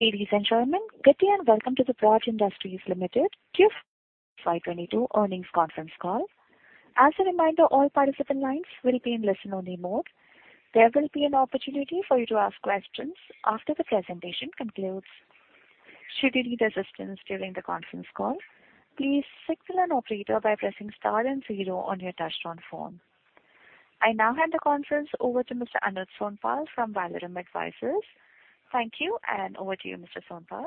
Ladies and gentlemen, good day and welcome to the Praj Industries Limited [Q4] FY 2022 earnings conference call. As a reminder, all participant lines will be in listen-only mode. There will be an opportunity for you to ask questions after the presentation concludes. Should you need assistance during the conference call, please signal an operator by pressing star and zero on your touchtone phone. I now hand the conference over to Mr. Anuj Sonpal from Valorem Advisors. Thank you, and over to you, Mr. Sonpal.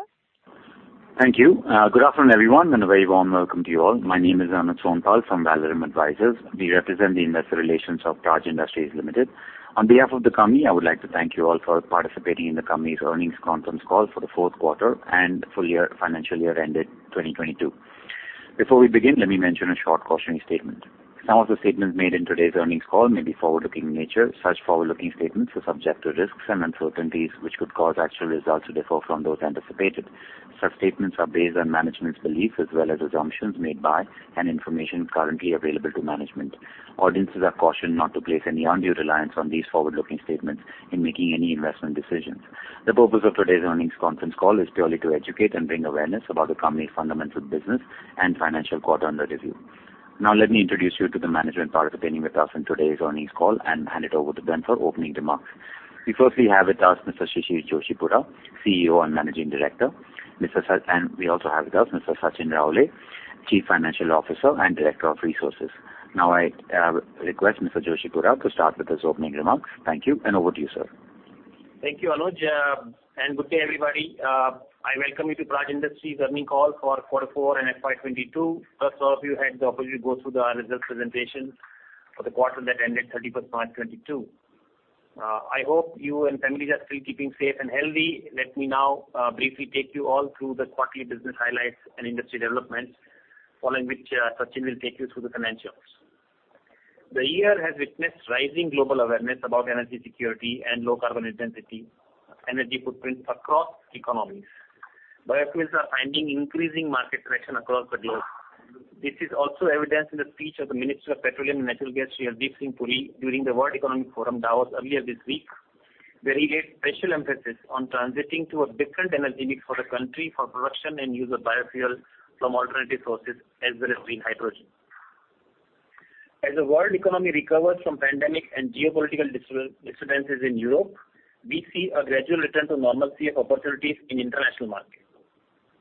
Thank you. Good afternoon, everyone and a very warm welcome to you all. My name is Anuj Sonpal from Valorem Advisors. We represent the investor relations of Praj Industries Limited. On behalf of the company, I would like to thank you all for participating in the company's earnings conference call for the fourth quarter and full year financial year ended 2022. Before we begin, let me mention a short cautionary statement. Some of the statements made in today's earnings call may be forward-looking in nature. Such forward-looking statements are subject to risks and uncertainties which could cause actual results to differ from those anticipated. Such statements are based on management's beliefs as well as assumptions made by and information currently available to management. Audiences are cautioned not to place any undue reliance on these forward-looking statements in making any investment decisions. The purpose of today's earnings conference call is purely to educate and bring awareness about the company's fundamental business and financial quarter under review. Now let me introduce you to the management participating with us in today's earnings call and hand it over to them for opening remarks. Because we have with us Mr. Shishir Joshipura; CEO and Managing Director. We also have with us Mr. Sachin Raole; Chief Financial Officer and Director of Resources. Now I request Mr. Joshipura to start with his opening remarks. Thank you, and over to you, sir. Thank you, Anuj. Good day, everybody. I welcome you to Praj Industries earnings call for quarter four and FY22. First, all of you had the opportunity to go through the analysis presentation for the quarter that ended March 31, 2022. I hope you and families are still keeping safe and healthy. Let me now briefly take you all through the quarterly business highlights and industry developments, following which, Sachin Raole will take you through the financials. The year has witnessed rising global awareness about energy security and low carbon intensity energy footprint across economies. Biofuels are finding increasing market traction across the globe. This is also evidenced in the speech of the Minister of Petroleum and Natural Gas, Shri Hardeep Singh Puri, during the World Economic Forum, Davos, earlier this week, where he laid special emphasis on transiting to a different energy mix for the country for production and use of biofuels from alternative sources as well as green hydrogen. As the world economy recovers from pandemic and geopolitical disturbances in Europe, we see a gradual return to normalcy of opportunities in international markets.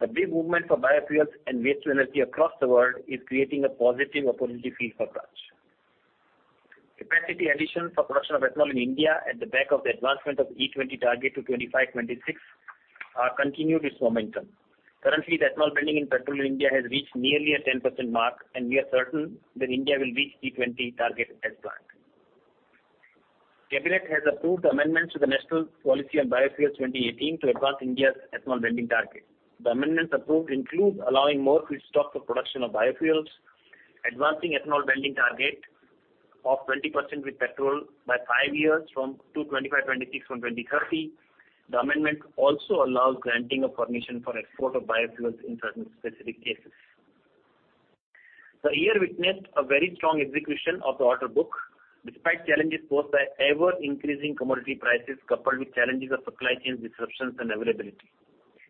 A big movement for biofuels and waste-to-energy across the world is creating a positive opportunity for Praj. Capacity addition for production of ethanol in India on the back of the advancement of E20 target to 2025, 2026, continued its momentum. Currently, the ethanol blending in petrol in India has reached nearly a 10% mark and we are certain that India will reach E20 target as planned. Cabinet has approved amendments to the National Policy on Biofuels 2018 to advance India's ethanol blending target. The amendments approved include allowing more feedstock for production of biofuels, advancing ethanol blending target of 20% with petrol by five years to 2025-2026 from 2030. The amendment also allows granting of permission for export of biofuels in certain specific cases. The year witnessed a very strong execution of the order book despite challenges posed by ever-increasing commodity prices coupled with challenges of supply chain disruptions and availability.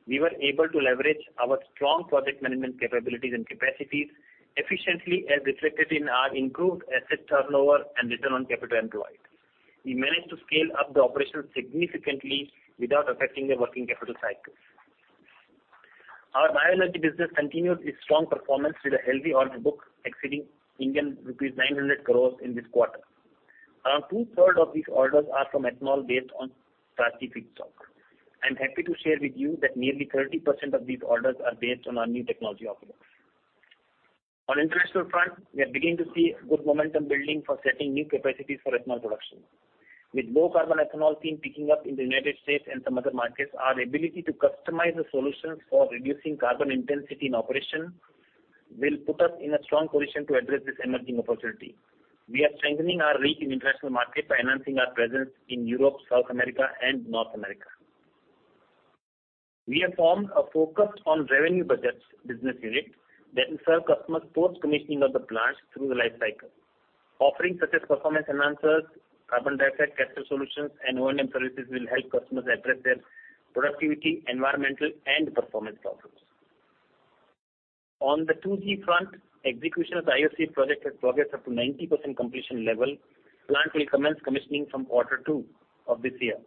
We were able to leverage our strong project management capabilities and capacities efficiently, as reflected in our improved asset turnover and return on capital employed. We managed to scale up the operations significantly without affecting the working capital cycles. Our bioenergy business continued its strong performance with a healthy order book exceeding Indian rupees 900 crores in this quarter. Around 2/3 of these orders are from ethanol based on press mud feedstock. I'm happy to share with you that nearly 30% of these orders are based on our new technology offerings. On international front, we are beginning to see good momentum building for setting new capacities for ethanol production. With low-carbon ethanol theme picking up in the United States and some other markets, our ability to customize the solutions for reducing carbon intensity in operation will put us in a strong position to address this emerging opportunity. We are strengthening our reach in international markets by enhancing our presence in Europe, South America, and North America. We have formed a focused O&M business unit that will serve customers post-commissioning of the plants through the life cycle. Offerings such as performance enhancers, carbon dioxide capture solutions, and O&M services will help customers address their productivity, environmental, and performance problems. On the 2G front, execution of the IOC project has progressed up to 90% completion level. Plant will commence commissioning from quarter two of this year.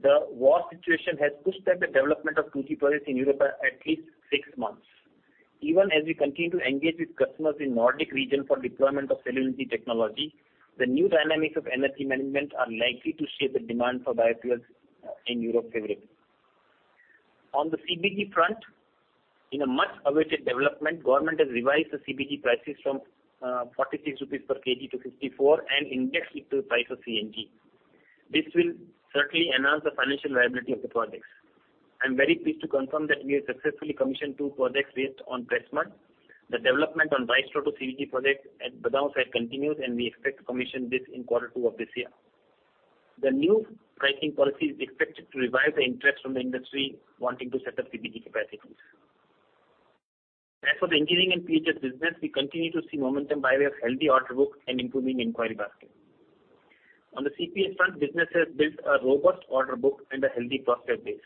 The war situation has pushed back the development of 2G projects in Europe by at least six months. Even as we continue to engage with customers in Nordic region for deployment of CelluEnergy technology, the new dynamics of energy management are likely to shape the demand for biofuels in Europe favorably. On the CBG front, in a much-awaited development, government has revised the CBG prices from 46 rupees per kg to 54 and indexed it to the price of CNG. This will certainly enhance the financial viability of the projects. I'm very pleased to confirm that we have successfully commissioned two projects based on press mud. The development on rice straw to CBG project at Badaun site continues and we expect to commission this in quarter two of this year. The new pricing policy is expected to revive the interest from the industry wanting to set up CBG capacities. As for the engineering and PHS business, we continue to see momentum by way of healthy order book and improving inquiry basket. On the CPS front, business has built a robust order book and a healthy prospect base.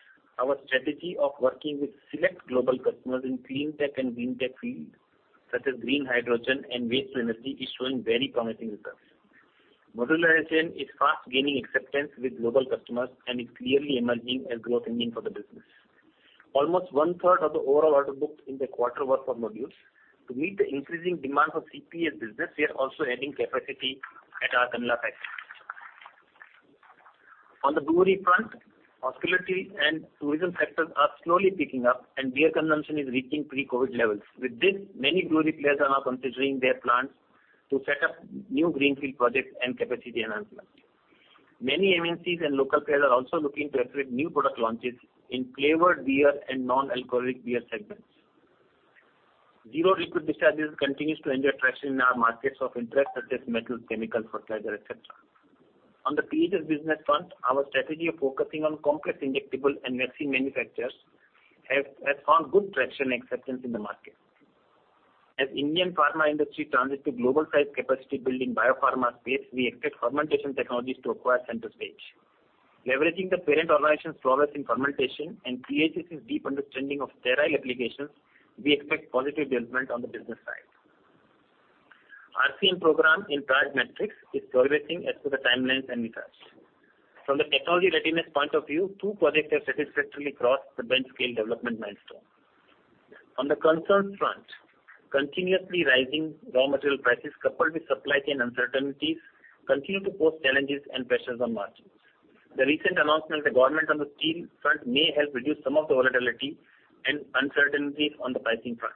Our strategy of working with select global customers in clean tech and green tech field, such as green hydrogen and waste to energy, is showing very promising results. Modularization is fast gaining acceptance with global customers and is clearly emerging as growth engine for the business. Almost 1/3 of the overall order booked in the quarter was for modules. To meet the increasing demand for CPS business, we are also adding capacity at our Kandla factory. On the brewery front, hospitality and tourism sectors are slowly picking up, and beer consumption is reaching pre-COVID levels. With this, many brewery players are now considering their plans to set up new greenfield projects and capacity enhancements. Many MNCs and local players are also looking to execute new product launches in flavored beer and non-alcoholic beer segments. Zero liquid discharges continues to enjoy traction in our markets of interest such as metals, chemical, fertilizer, etc.. On the PHS business front, our strategy of focusing on complex injectable and vaccine manufacturers has found good traction and acceptance in the market. As the Indian pharma industry turns into global-sized capacity building biopharma space, we expect fermentation technologies to acquire center stage. Leveraging the parent organization's prowess in fermentation and HPS's deep understanding of sterile applications, we expect positive development on the business side. R&D program. In charge, Matrix, is progressing as per the timelines and metrics. From the technology readiness point of view, two projects have satisfactorily crossed the bench scale development milestone. On the concerned front, continuously rising raw material prices coupled with supply chain uncertainties continue to pose challenges and pressures on margins. The recent announcement, the government on the steel front, may help reduce some of the volatility and uncertainties on the pricing front.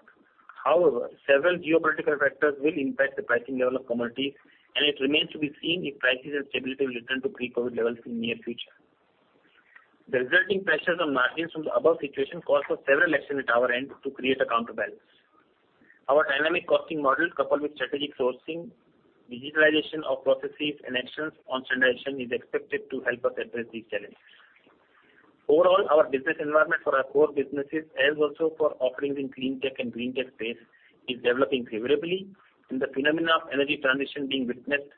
However, several geopolitical factors will impact the pricing level of commodities and it remains to be seen if prices and stability will return to pre-COVID levels in near future. The resulting pressures on margins from the above situation calls for several actions at our end to create a counterbalance. Our dynamic costing model coupled with strategic sourcing, digitalization of processes, and actions on standardization is expected to help us address these challenges. Overall, our business environment for our core businesses as also for offerings in clean tech and green tech space is developing favorably, and the phenomena of energy transition being witnessed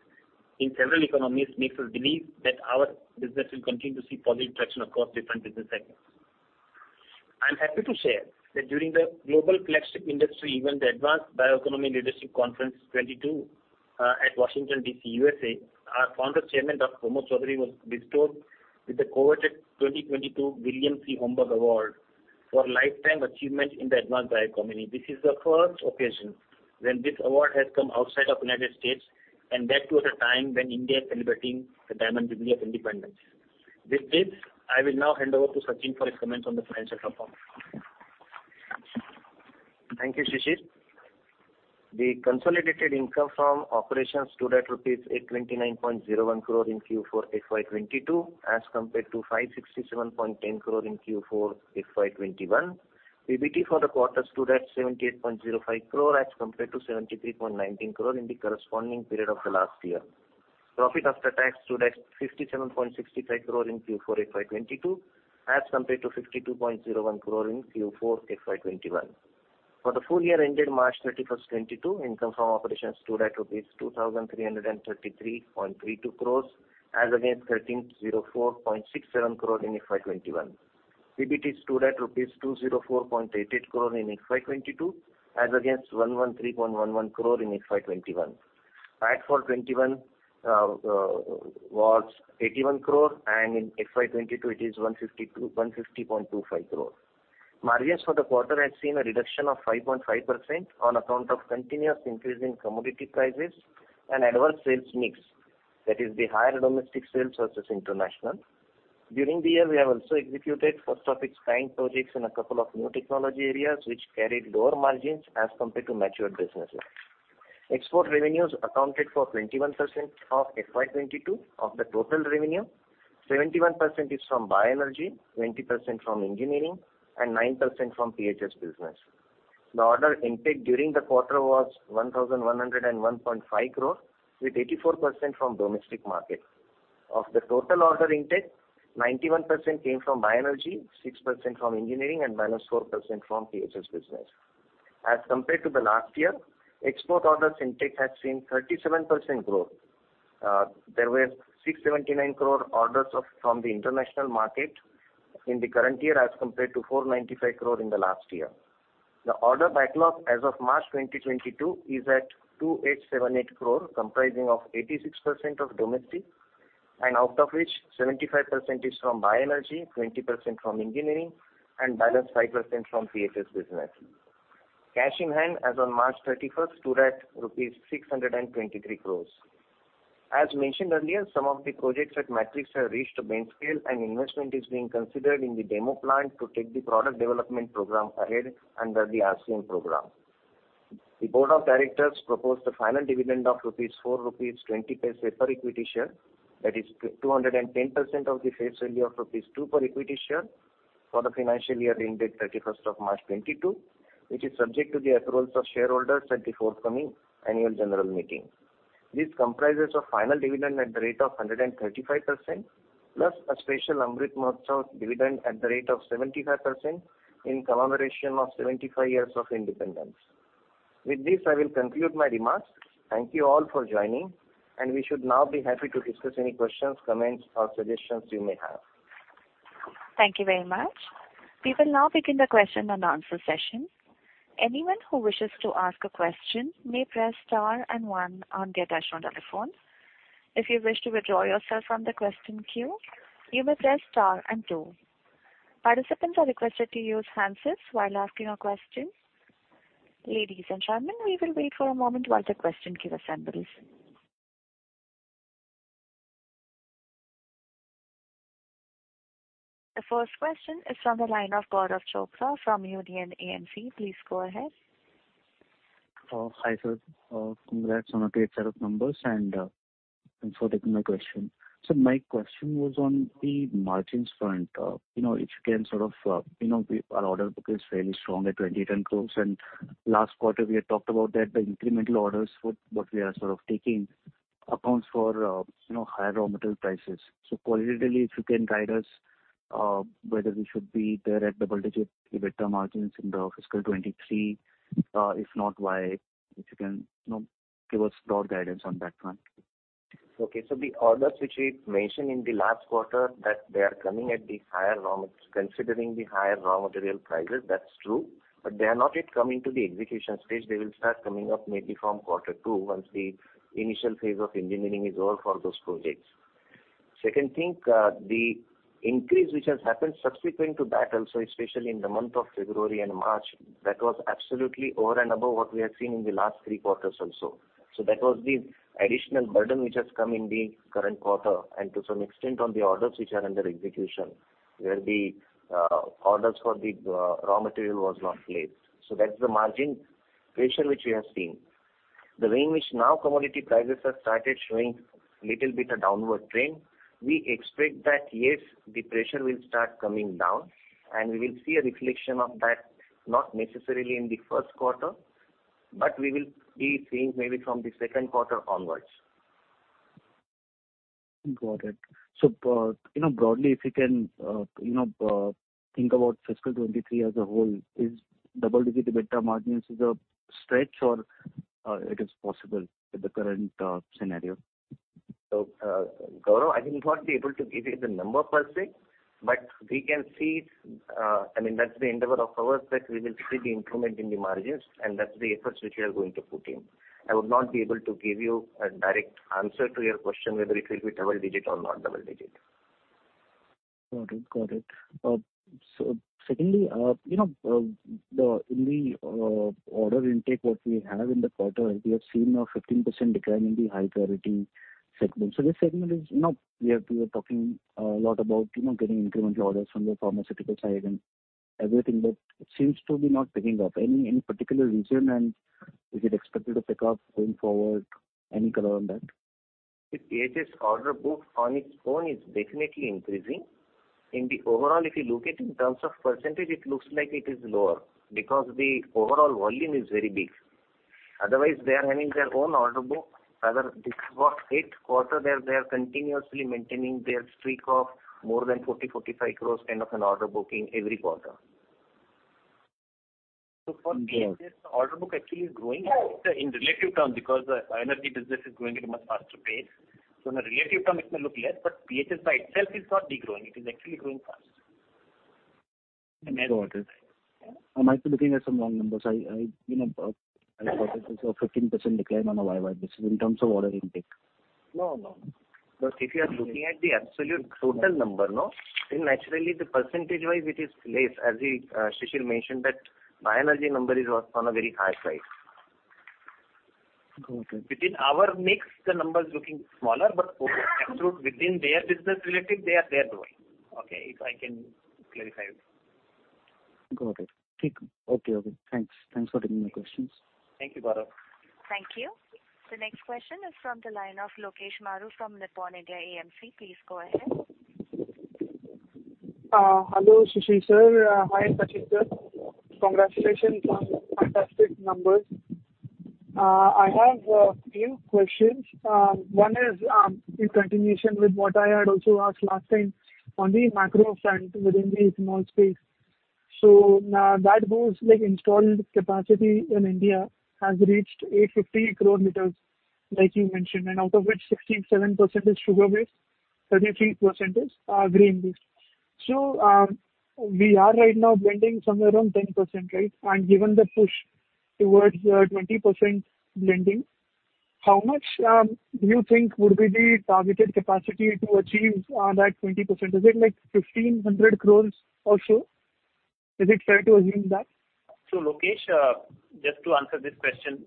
in several economies makes us believe that our business will continue to see positive traction across different business segments. I'm happy to share that during the Global Flagship Industry event, the Advanced Bioeconomy Leadership Conference 2022, at Washington, D.C., USA, our Founder Chairman, Dr. Pramod Chaudhari, was bestowed with the coveted 2022 William C. Holmberg Award for lifetime achievement in the advanced bioeconomy. This is the first occasion when this award has come outside of the United States and that too at a time when India is celebrating the Diamond Jubilee of Independence. With this, I will now hand over to Sachin Raole for his comments on the financial performance. Thank you, Shishir Joshipura. The consolidated income from operations stood at rupees 829.01 crore in Q4 FY2022 as compared to 567.10 crore in Q4 FY 2021. PBT for the quarter stood at 78.05 crore as compared to 73.19 crore in the corresponding period of the last year. Profit after tax stood at 57.65 crore in Q4 FY 2022 as compared to 52.01 crore in Q4 FY 2021. For the full year ended March 31, 2022, income from operations stood at rupees 2,333.32 crore as against 1,304.67 crore in FY 2021. PBT stood at rupees 204.88 crore in FY 2022 as against 113.11 crore in FY 2021. PAT for FY 2021 was 81 crore, and in FY 2022 it is 150.25 crore. Margins for the quarter has seen a reduction of 5.5% on account of continuous increase in commodity prices and adverse sales mix. That is the higher domestic sales versus international. During the year, we have also executed first of its kind projects in a couple of new technology areas which carried lower margins as compared to mature businesses. Export revenues accounted for 21% of FY2022 of the total revenue. 71% is from bioenergy, 20% from engineering, and 9% from PHS business. The order intake during the quarter was 1,101.5 crore with 84% from domestic market. Of the total order intake, 91% came from bioenergy, 6% from engineering, and -4% from PHS business. As compared to the last year, export orders intake has seen 37% growth. There were 679 crore orders from the international market in the current year as compared to 495 crore in the last year. The order backlog as of March 2022 is at 2,878 crore, comprising of 86% domestic, and out of which 75% is from bioenergy, 20% from engineering, and balance 5% from PHS business. Cash in hand as on March 31 stood at rupees 623 crore. As mentioned earlier, some of the projects at Matrix have reached a bench scale, and investment is being considered in the demo plant to take the product development program ahead under the RCM program. The board of directors proposed a final dividend of 4.20 rupees per equity share. That is 210% of the face value of rupees 2 per equity share for the financial year ended March 31, 2022, which is subject to the approvals of shareholders at the forthcoming annual general meeting. This comprises a final dividend at the rate of 135%, plus a special Amrit Mahotsav dividend at the rate of 75% in commemoration of 75 years of independence. With this, I will conclude my remarks. Thank you all for joining, and we should now be happy to discuss any questions, comments or suggestions you may have. Thank you very much. We will now begin the question and answer session. Anyone who wishes to ask a question may press star and one on their touchtone telephone. If you wish to withdraw yourself from the question queue, you may press star and two. Participants are requested to use hands-free while asking a question. Ladies and gentlemen, we will wait for a moment while the question queue assembles. The first question is from the line of Gaurav Chopra from Union and AMC. Please go ahead. Hi, Sir. Congrats on a great set of numbers and thanks for taking my question. My question was on the margins front. You know, if you can sort of you know, our order book is fairly strong at 2,800 crores and last quarter, we had talked about that the incremental orders with what we are sort of taking accounts for you know, higher raw material prices. Qualitatively, if you can guide us whether we should be there at double-digit EBITDA margins in fiscal 2023. If not, why? If you can you know, give us broad guidance on that front. Okay. The orders which we mentioned in the last quarter, that they are coming at the higher, considering the higher raw material prices, that's true. They are not yet coming to the execution stage. They will start coming up maybe from quarter two once the initial phase of engineering is over for those projects. Second thing, the increase which has happened subsequent to that also, especially in the month of February and March, that was absolutely over and above what we had seen in the last three quarters also. That was the additional burden which has come in the current quarter, and to some extent on the orders which are under execution, where the orders for the raw material was not placed. That's the margin pressure which we have seen. The way in which now commodity prices have started showing little bit a downward trend, we expect that, yes, the pressure will start coming down, and we will see a reflection of that, not necessarily in the first quarter but we will be seeing maybe from the second quarter onwards. Got it. You know, broadly, if you can, you know, think about fiscal 2023 as a whole, is double-digit EBITDA margins is a stretch or, it is possible with the current scenario? Gaurav, I will not be able to give you the number per se but we can see, I mean, that's the endeavor of ours, that we will see the improvement in the margins, and that's the efforts which we are going to put in. I would not be able to give you a direct answer to your question whether it will be double digit or not double digit. Got it. Secondly, you know, in the order intake what we have in the quarter, we have seen a 15% decline in the high-purity segment. This segment is, you know, we were talking a lot about, you know, getting incremental orders from the pharmaceutical side and everything but it seems to be not picking up. Any particular reason, and is it expected to pick up going forward? Any color on that? The PHS order book on its own is definitely increasing. In the overall, if you look at in terms of percentage, it looks like it is lower because the overall volume is very big. Otherwise, they are having their own order book. Rather, this is the eighth quarter that they are continuously maintaining their streak of more than 40- 45 crores kind of an order book in every quarter. For PHS, the order book actually is growing in relative terms because the bioenergy business is growing at a much faster pace. In a relative term, it may look less, but PHS by itself is not degrowing. It is actually growing fast. Got it. I might be looking at some wrong numbers. I, you know, I thought it was a 15% decline on a YY basis in terms of order intake. No, no. If you are looking at the absolute total number, no? Naturally the percentage-wise it is less. As we, Shishir mentioned that bioenergy number is, was on a very high side. Got it. Within our mix, the number is looking smaller but absolutely within their business relatively, they are growing. Okay? If I can clarify it. Got it. Okay. Okay. Thanks for taking my questions. Thank you, Gaurav. Thank you. The next question is from the line of Lokesh Maru from Nippon India AMC. Please go ahead. Hello, Shishir, sir. Hi, Sachin, sir. Congratulations on fantastic numbers. I have three questions. One is in continuation with what I had also asked last time on the macro front within the ethanol space. That whole, like, installed capacity in India has reached 850 crore liters like you mentioned and out of which 67% is sugar-based, 33% is grain-based. We are right now blending somewhere around 10%, right? And given the push towards 20% blending, how much do you think would be the targeted capacity to achieve that 20%? Is it like 1,500 crores or so? Is it fair to assume that? Lokesh, just to answer this question.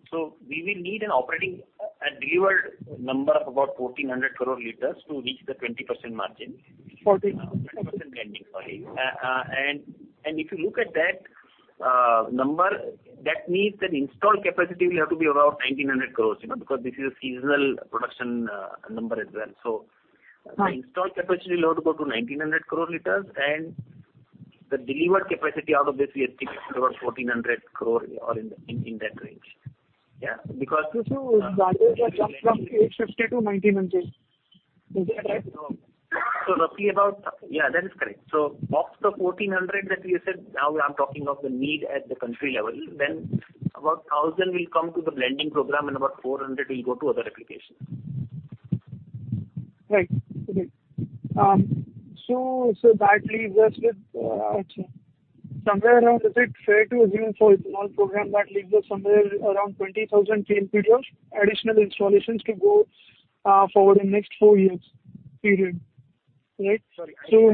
We will need a delivered number of about 1,400 crore liters to reach the 20% margin. 14? A 20% blending. Sorry. If you look at that number that means that installed capacity will have to be around 1,900 crore, you know, because this is a seasonal production number as well. Right. The installed capacity will have to go to 1,900 crore liters and the delivered capacity out of this, we expect over 1,400 crore or in that range. Yeah. Because. Sir, the values have jumped from 850 to 1,900. Is that right? Roughly about. Yeah, that is correct. Of the 1,400 crore that we said, now I'm talking of the need at the country level, then about 1,000 will come to the blending program and about 400 will go to other applications. Right. Okay. That leaves us with, actually, is it fair to assume for a small program that leaves us somewhere around 20,000 km per year additional installations to go forward in next four years period. Right?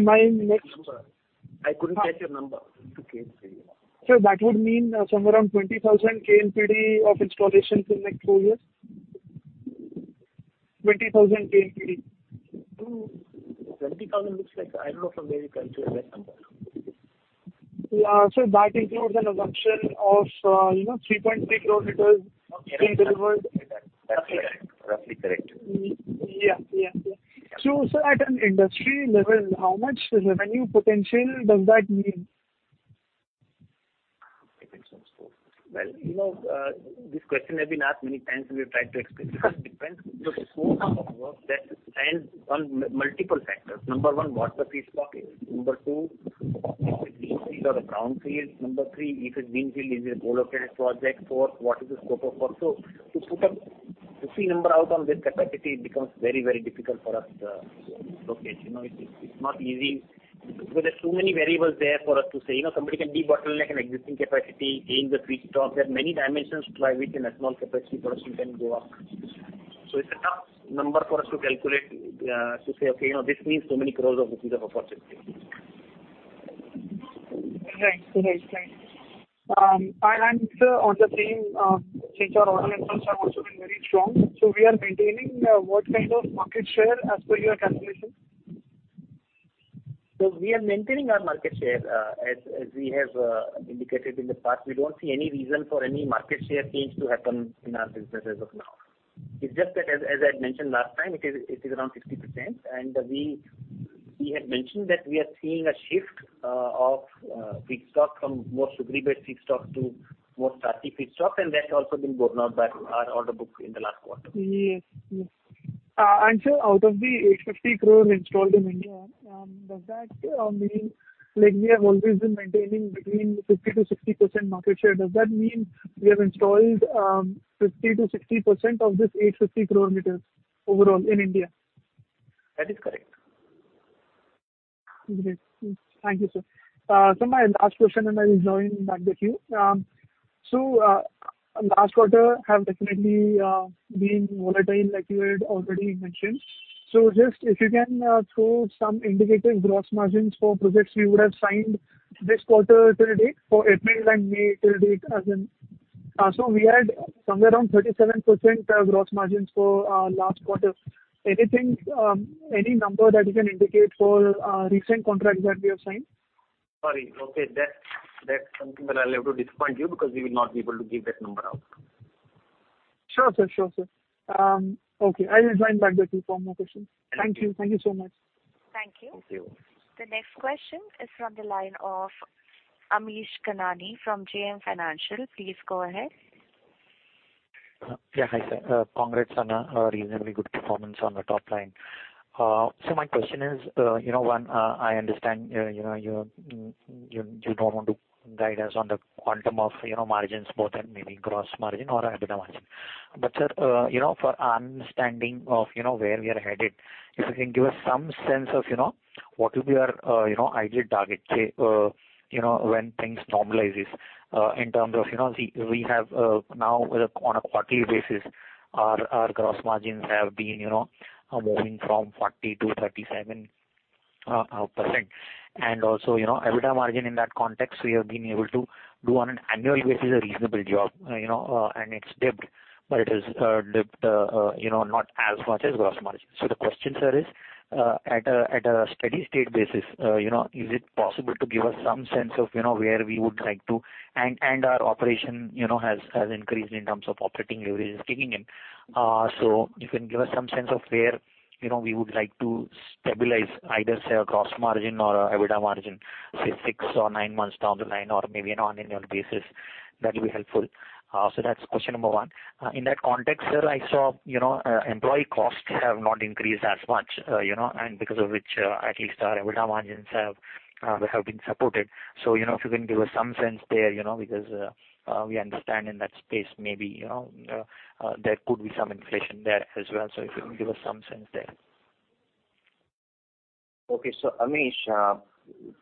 My next- Sorry, I couldn't get your number to KMP. Sir, that would mean somewhere around 20,000 KLPD of installations in next four years. A 20,000 KLPD. A 20,000 looks like, I don't know from where you got to that number. Yeah. That includes an assumption of, you know, 3.3 crore liters being delivered. That's correct. Roughly correct. Yeah. Yeah. Sir, at an industry level, how much revenue potential does that mean? Well, you know, this question has been asked many times. We have tried to explain. It depends. The scope of work that depends on multiple factors. Number one, what's the feedstock? Number two, if it's greenfield or a brownfield. Number three, if it's greenfield, is it a relocated project? Four, what is the scope of work? To put a fixed number out on this capacity becomes very, very difficult for us to locate. You know, it's not easy because there's too many variables there for us to say. You know, somebody can debottleneck an existing capacity, change the feedstock. There are many dimensions by which an ethanol capacity for us can go up. It's a tough number for us to calculate, to say, "Okay, you know, this means so many crores rupees of pieces of opportunity." Right. Sir, on the same, since our order inflows have also been very strong, so we are maintaining what kind of market share as per your calculation? We are maintaining our market share. As we have indicated in the past, we don't see any reason for any market share change to happen in our business as of now. It's just that as I had mentioned last time, it is around 60% and we had mentioned that we are seeing a shift of feedstock from more sugary-based feedstock to more starchy feedstock and that's also been borne out by our order book in the last quarter. Yes. Sir, out of the 850 crore installed in India, does that mean like we have always been maintaining between 50%-60% market share? Does that mean we have installed 50%-60% of this 850 crore liters overall in India? That is correct. Great. Thank you, sir. My last question and I will join back with you. Last quarter have definitely been volatile like you had already mentioned. Just if you can throw some indicative gross margins for projects you would have signed this quarter till date for April and May till date as in we had somewhere around 37% gross margins for last quarter. Anything, any number that you can indicate for recent contracts that we have signed? Sorry. Okay, that's something that I'll have to disappoint you because we will not be able to give that number out. Sure, sir. Okay. I will join back with you for more questions. Okay. Thank you. Thank you so much. Thank you. Thank you. The next question is from the line of Amish Kanani from JM Financial. Please go ahead. Yeah. Hi, sir. Congrats on a reasonably good performance on the top line. So my question is, you know, one, I understand, you know, you don't want to guide us on the quantum of, you know, margins both at maybe gross margin or EBITDA margin. But sir, you know, for our understanding of, you know, where we are headed, if you can give us some sense of, you know, what will be your, you know, ideal target, say, you know, when things normalizes, in terms of, you know, we have now on a quarterly basis, our gross margins have been, you know, moving from 40% to 37%. You know, EBITDA margin in that context, we have been able to do on an annual basis a reasonable job, you know, and it's dipped but not as much as gross margin. The question, sir, is at a steady state basis, you know, is it possible to give us some sense of, you know, where we would like to. Our operation, you know, has increased in terms of operating leverage is kicking in. If you can give us some sense of where, you know, we would like to stabilize either, say, a gross margin or a EBITDA margin, say, six or nine months down the line or maybe on an annual basis, that'll be helpful. That's question number one. In that context, sir, I saw, you know, employee costs have not increased as much, you know, and because of which, at least our EBITDA margins have been supported. You know, if you can give us some sense there, you know, because we understand in that space maybe, you know, there could be some inflation there as well. If you can give us some sense there. Okay. Amish,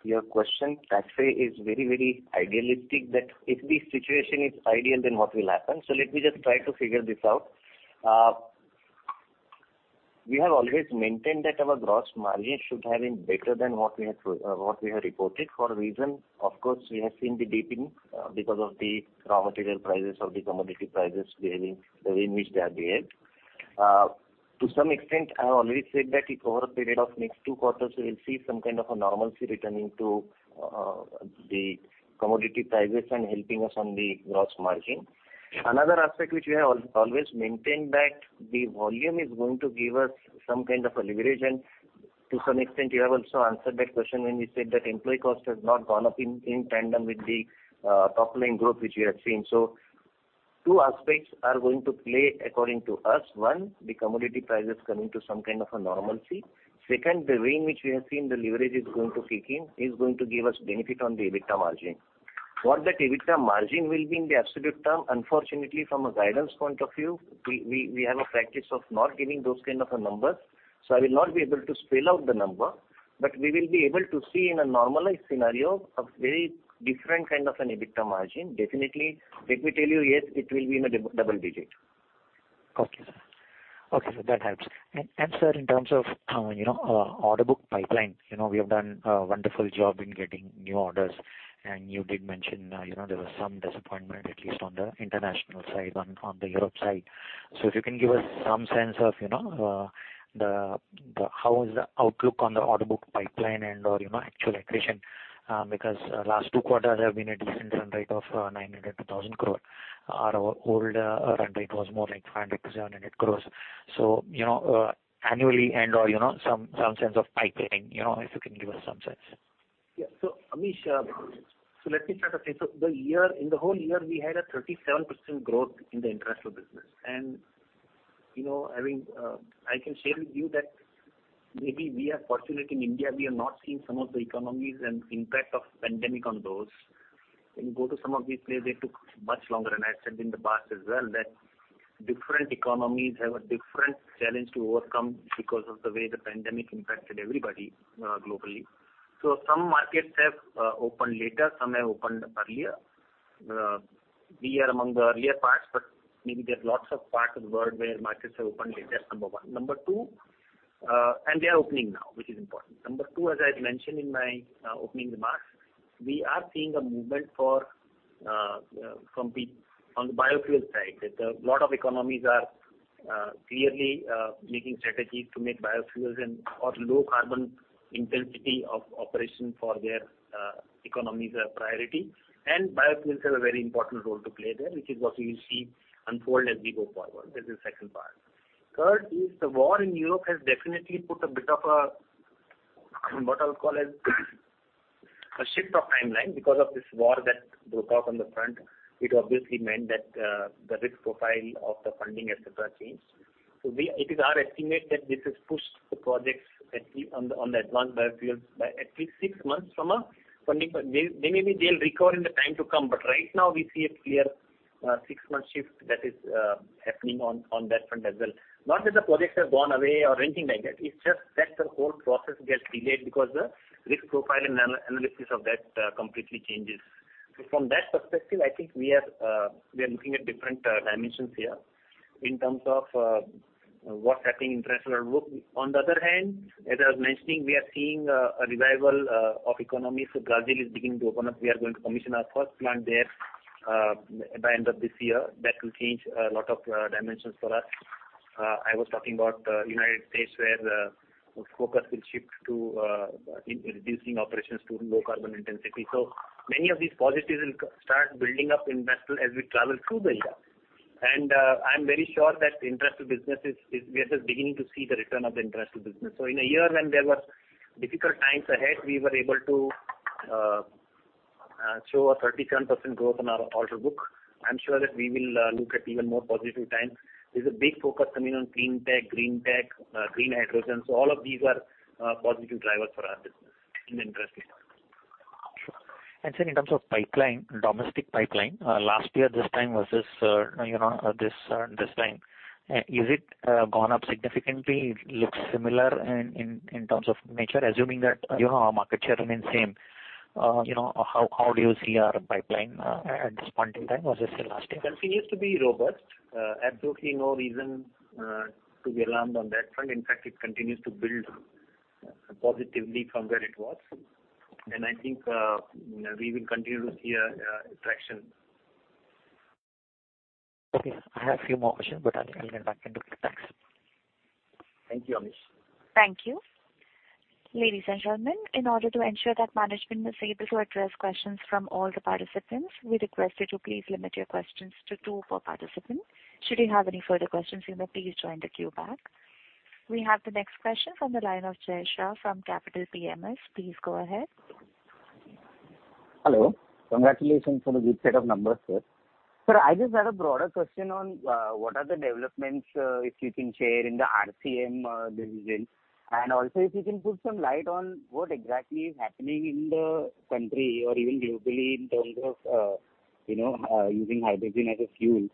your question that way is very, very idealistic, that if the situation is ideal, then what will happen? Let me just try to figure this out. We have always maintained that our gross margin should have been better than what we have reported for a reason. Of course, we have seen the dipping because of the raw material prices or the commodity prices behaving the way in which they have behaved. To some extent, I have already said that if over a period of next two quarters, we will see some kind of a normalcy returning to, the commodity prices and helping us on the gross margin. Another aspect which we have always maintained that the volume is going to give us some kind of a leverage. To some extent, you have also answered that question when you said that employee cost has not gone up in tandem with the top-line growth which we have seen. Two aspects are going to play according to us. One, the commodity prices coming to some kind of a normalcy. Second, the way in which we have seen the leverage is going to kick in is going to give us benefit on the EBITDA margin. What that EBITDA margin will be in the absolute term, unfortunately, from a guidance point of view, we have a practice of not giving those kind of a numbers, so I will not be able to spell out the number. We will be able to see in a normalized scenario a very different kind of an EBITDA margin. Definitely, let me tell you, yes, it will be in a double digit. Okay, sir, that helps. And sir, in terms of, you know, order book pipeline, you know, we have done a wonderful job in getting new orders, and you did mention, you know, there was some disappointment at least on the international side, on the European side. If you can give us some sense of, you know, how is the outlook on the order book pipeline and/or, you know, actual accretion. Because last two quarters there have been a decent run rate of 900 crore-1,000 crore. Our old run rate was more like 500 crore-700 crore. You know, annually and/or, you know, some sense of pipeline, you know, if you can give us some sense. Amish, in the whole year, we had a 37% growth in the international business. You know, I mean, I can share with you that maybe we are fortunate in India, we are not seeing some of the economic impact of pandemic on those. When you go to some of these places, they took much longer. I've said in the past as well that different economies have a different challenge to overcome because of the way the pandemic impacted everybody globally. Some markets have opened later, some have opened earlier. We are among the earlier parts, but maybe there are lots of parts of the world where markets have opened later, number one. Number two. They are opening now, which is important. Number two, as I mentioned in my opening remarks, we are seeing a movement for on the biofuel side, that a lot of economies are clearly making strategies to make biofuels and/or low carbon intensity of operation for their economies a priority. Biofuels have a very important role to play there, which is what you will see unfold as we go forward. This is second part. Third is the war in Europe has definitely put a bit of a, what I'll call a shift of timeline. Because of this war that broke out on the front, it obviously meant that the risk profile of the funding et cetera changed. It is our estimate that this has pushed the projects on the advanced biofuels by at least six months from a funding perspective. They'll recover in the time to come, but right now we see a clear six-month shift that is happening on that front as well. Not that the projects have gone away or anything like that. It's just that the whole process gets delayed because the risk profile and analysis of that completely changes. From that perspective, I think we are looking at different dimensions here in terms of what's happening in international work. On the other hand, as I was mentioning, we are seeing a revival of economies. Brazil is beginning to open up. We are going to commission our first plant there by end of this year. That will change a lot of dimensions for us. I was talking about United States, where focus will shift to in reducing operations to low carbon intensity. Many of these positives will start building up in Bristol as we travel through the year. I'm very sure that the international business is we are just beginning to see the return of the international business. In a year when there were difficult times ahead, we were able to show 37% growth on our order book. I'm sure that we will look at even more positive times. There's a big focus coming on clean tech, green tech, green hydrogen. All of these are positive drivers for our business in the international. Sir, in terms of pipeline, domestic pipeline, last year this time versus, you know, this time, is it gone up significantly? Looks similar in terms of nature? Assuming that, you know, our market share remains same, you know, how do you see our pipeline at this point in time versus the last time? Continues to be robust. Absolutely no reason to be alarmed on that front. In fact, it continues to build positively from where it was. I think, you know, we will continue to see a traction. Okay. I have a few more questions but I'll get back into queue. Thanks. Thank you, Amish. Thank you. Ladies and gentlemen, in order to ensure that management is able to address questions from all the participants, we request you to please limit your questions to two per participant. Should you have any further questions, you may please join the queue back. We have the next question from the line of Jay Shah from PhillipCapital PMS. Please go ahead. Hello. Congratulations on the good set of numbers, sir. Sir, I just had a broader question on what are the developments if you can share in the RCM division. Also if you can put some light on what exactly is happening in the country or even globally in terms of you know using hydrogen as a fuel.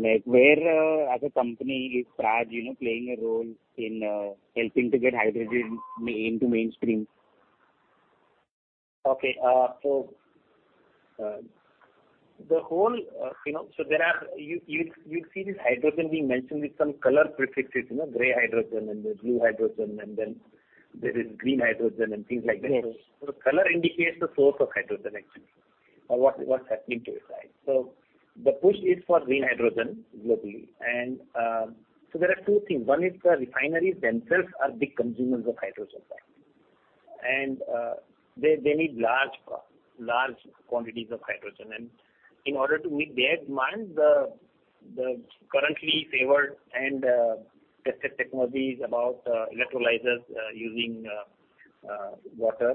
Like where as a company is Praj you know playing a role in helping to get hydrogen made into mainstream? You'll see this hydrogen being mentioned with some color prefixes, you know, gray hydrogen and the blue hydrogen, and then there is green hydrogen and things like that. Yes. The color indicates the source of hydrogen actually, or what's happening to it, right? The push is for green hydrogen globally. There are two things. One is the refineries themselves are big consumers of hydrogen actually. They need large quantities of hydrogen. In order to meet their demand, the currently favored and tested technologies about electrolyzers using water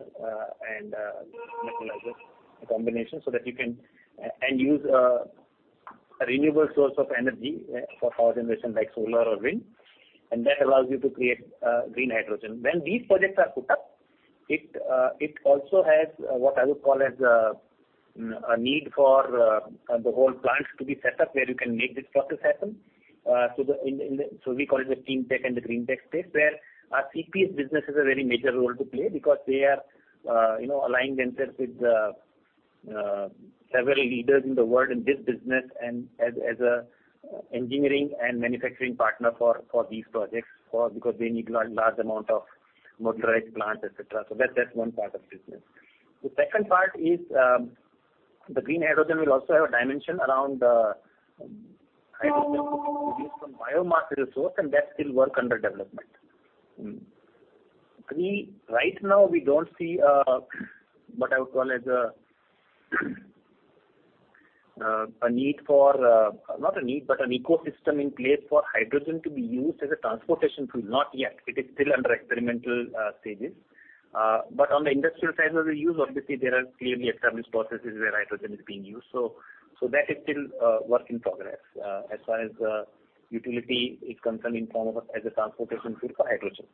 and a combination so that you can and use a renewable source of energy for power generation, like solar or wind, and that allows you to create green hydrogen. When these projects are put up, it also has what I would call as a need for the whole plants to be set up where you can make this process happen. We call it the clean tech and the green tech space, where our CPS business has a very major role to play because they are, you know, aligning themselves with several leaders in the world in this business and as an engineering and manufacturing partner for these projects because they need large amount of modularized plants, etc.. That's one part of the business. The second part is the green hydrogen will also have a dimension around hydrogen produced from biomass resource and that's still under development. Right now we don't see what I would call as a need for, not a need but an ecosystem in place for hydrogen to be used as a transportation tool, not yet. It is still under experimental stages. On the industrial side of the use, obviously there are clearly established processes where hydrogen is being used. That is still work in progress, as far as utility is concerned in form of a, as a transportation tool for hydrogen.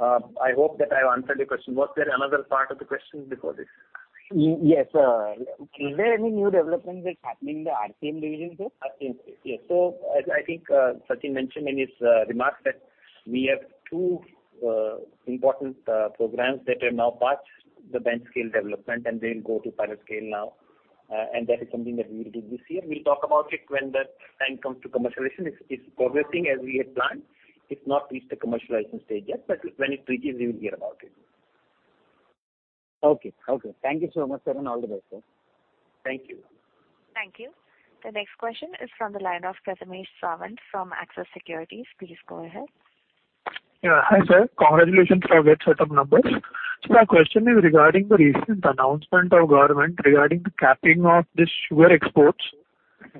I hope that I have answered your question. Was there another part of the question before this? Yes, sir. Is there any new development that's happening in the RCM division, sir? RCM. Yes. As I think, Sachin mentioned in his remarks that we have two important programs that are now past the bench scale development, and they'll go to pilot scale now. That is something that we will do this year. We'll talk about it when the time comes to commercialization. It's progressing as we had planned. It's not reached the commercialization stage yet, but when it reaches, you will hear about it. Okay. Thank you so much, sir and all the best, sir. Thank you. Thank you. The next question is from the line of Prathamesh Sawant from Axis Securities. Please go ahead. Yeah. Hi, sir. Congratulations on great set of numbers. My question is regarding the recent announcement of government regarding the capping of the sugar exports.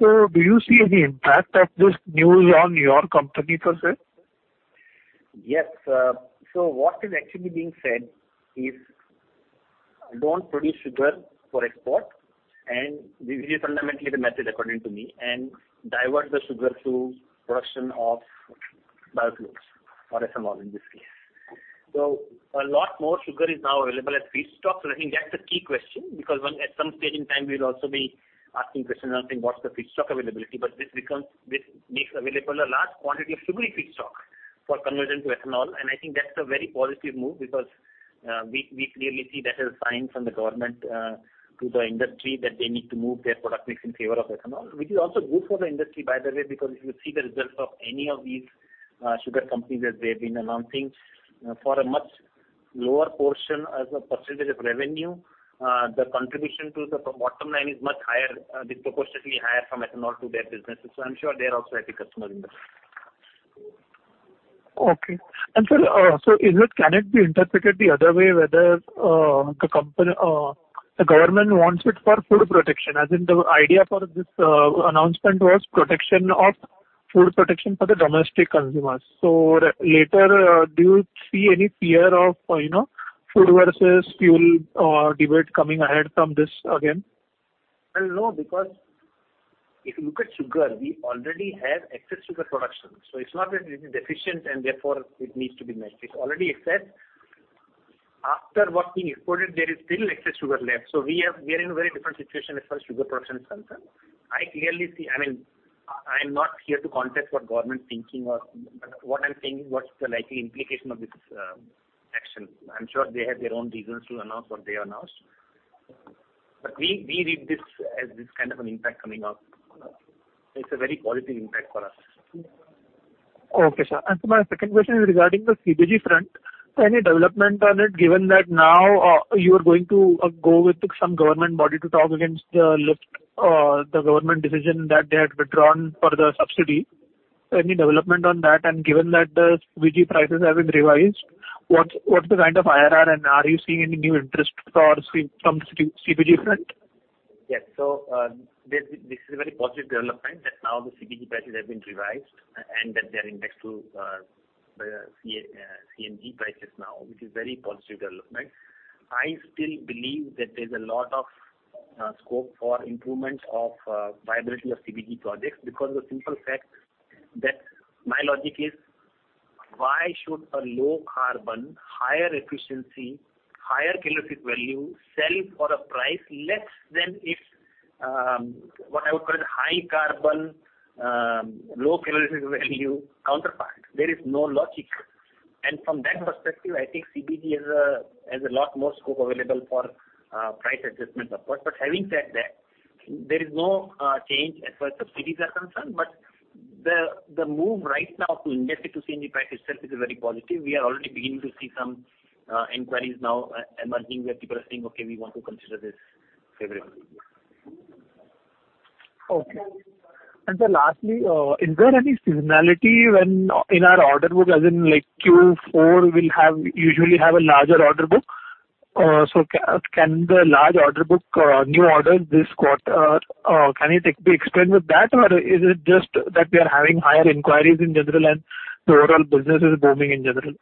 Do you see any impact of this news on your company, sir? Yes. What is actually being said is, don't produce sugar for export and this is fundamentally the method according to me and divert the sugar to production of biofuels or ethanol in this case. A lot more sugar is now available as feedstock. I think that's a key question because one, at some stage in time we'll also be asking questions around saying what's the feedstock availability but this makes available a large quantity of sugary feedstock for conversion to ethanol. I think that's a very positive move because we clearly see that as a sign from the government to the industry that they need to move their product mix in favor of ethanol, which is also good for the industry by the way, because if you see the results of any of these sugar companies as they've been announcing, for a much lower portion as a percentage of revenue, the contribution to the bottom line from ethanol is much higher, disproportionately higher from ethanol to their businesses. I'm sure they're also happy customers in this. Okay. Sir, can it be interpreted the other way whether the company, the government wants it for food protection? As in the idea for this announcement was protection of food protection for the domestic consumers. Later, do you see any fear of, you know, food versus fuel debate coming ahead from this again? Well, no, because if you look at sugar, we already have excess sugar production, so it's not that it is deficient and therefore it needs to be met. It's already excess. After what we've exported, there is still excess sugar left. We are in a very different situation as far as sugar production is concerned. I clearly see. I mean, I'm not here to contest what government's thinking or what I'm saying, what's the likely implication of this action. I'm sure they have their own reasons to announce what they announced. We read this as this kind of an impact coming up. It's a very positive impact for us. Okay, sir. My second question is regarding the CBG front. Any development on it, given that now you are going to go with some government body to talk against the lift, the government decision that they had withdrawn the subsidy. Any development on that? Given that the CBG prices have been revised, what's the kind of IRR and are you seeing any new interest from the CBG front? Yes. This is a very positive development that now the CBG prices have been revised and that they're indexed to CNG prices now, which is very positive development. I still believe that there's a lot of scope for improvements of viability of CBG projects because of the simple fact that my logic is why should a low carbon, higher efficiency, higher calorific value sell for a price less than its, what I would call as a high carbon, low calorific value counterpart? There is no logic. From that perspective, I think CBG has a lot more scope available for price adjustment, of course. Having said that, there is no change as far as subsidies are concerned. The move right now to index it to CNG price itself is a very positive. We are already beginning to see some inquiries now emerging, where people are saying, "Okay, we want to consider this favorably." Okay. Sir, lastly, is there any seasonality when in our order book, as in, like, Q4 usually have a larger order book? Can the large order book, new orders this quarter, be explained with that? Or is it just that they are having higher inquiries in general and the overall business is booming in general?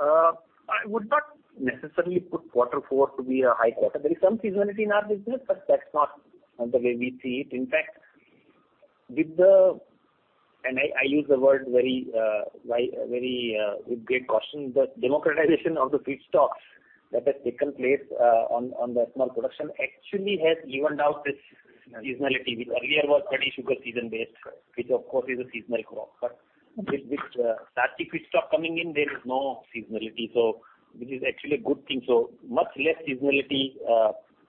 I would not necessarily put quarter four to be a high quarter. There is some seasonality in our business, but that's not the way we see it. In fact, I use the word very very with great caution, the democratization of the feedstock that has taken place on the small production actually has evened out this seasonality, which earlier was very sugar season-based, which of course is a seasonal crop. With starchy feedstock coming in, there is no seasonality. This is actually a good thing. Much less seasonality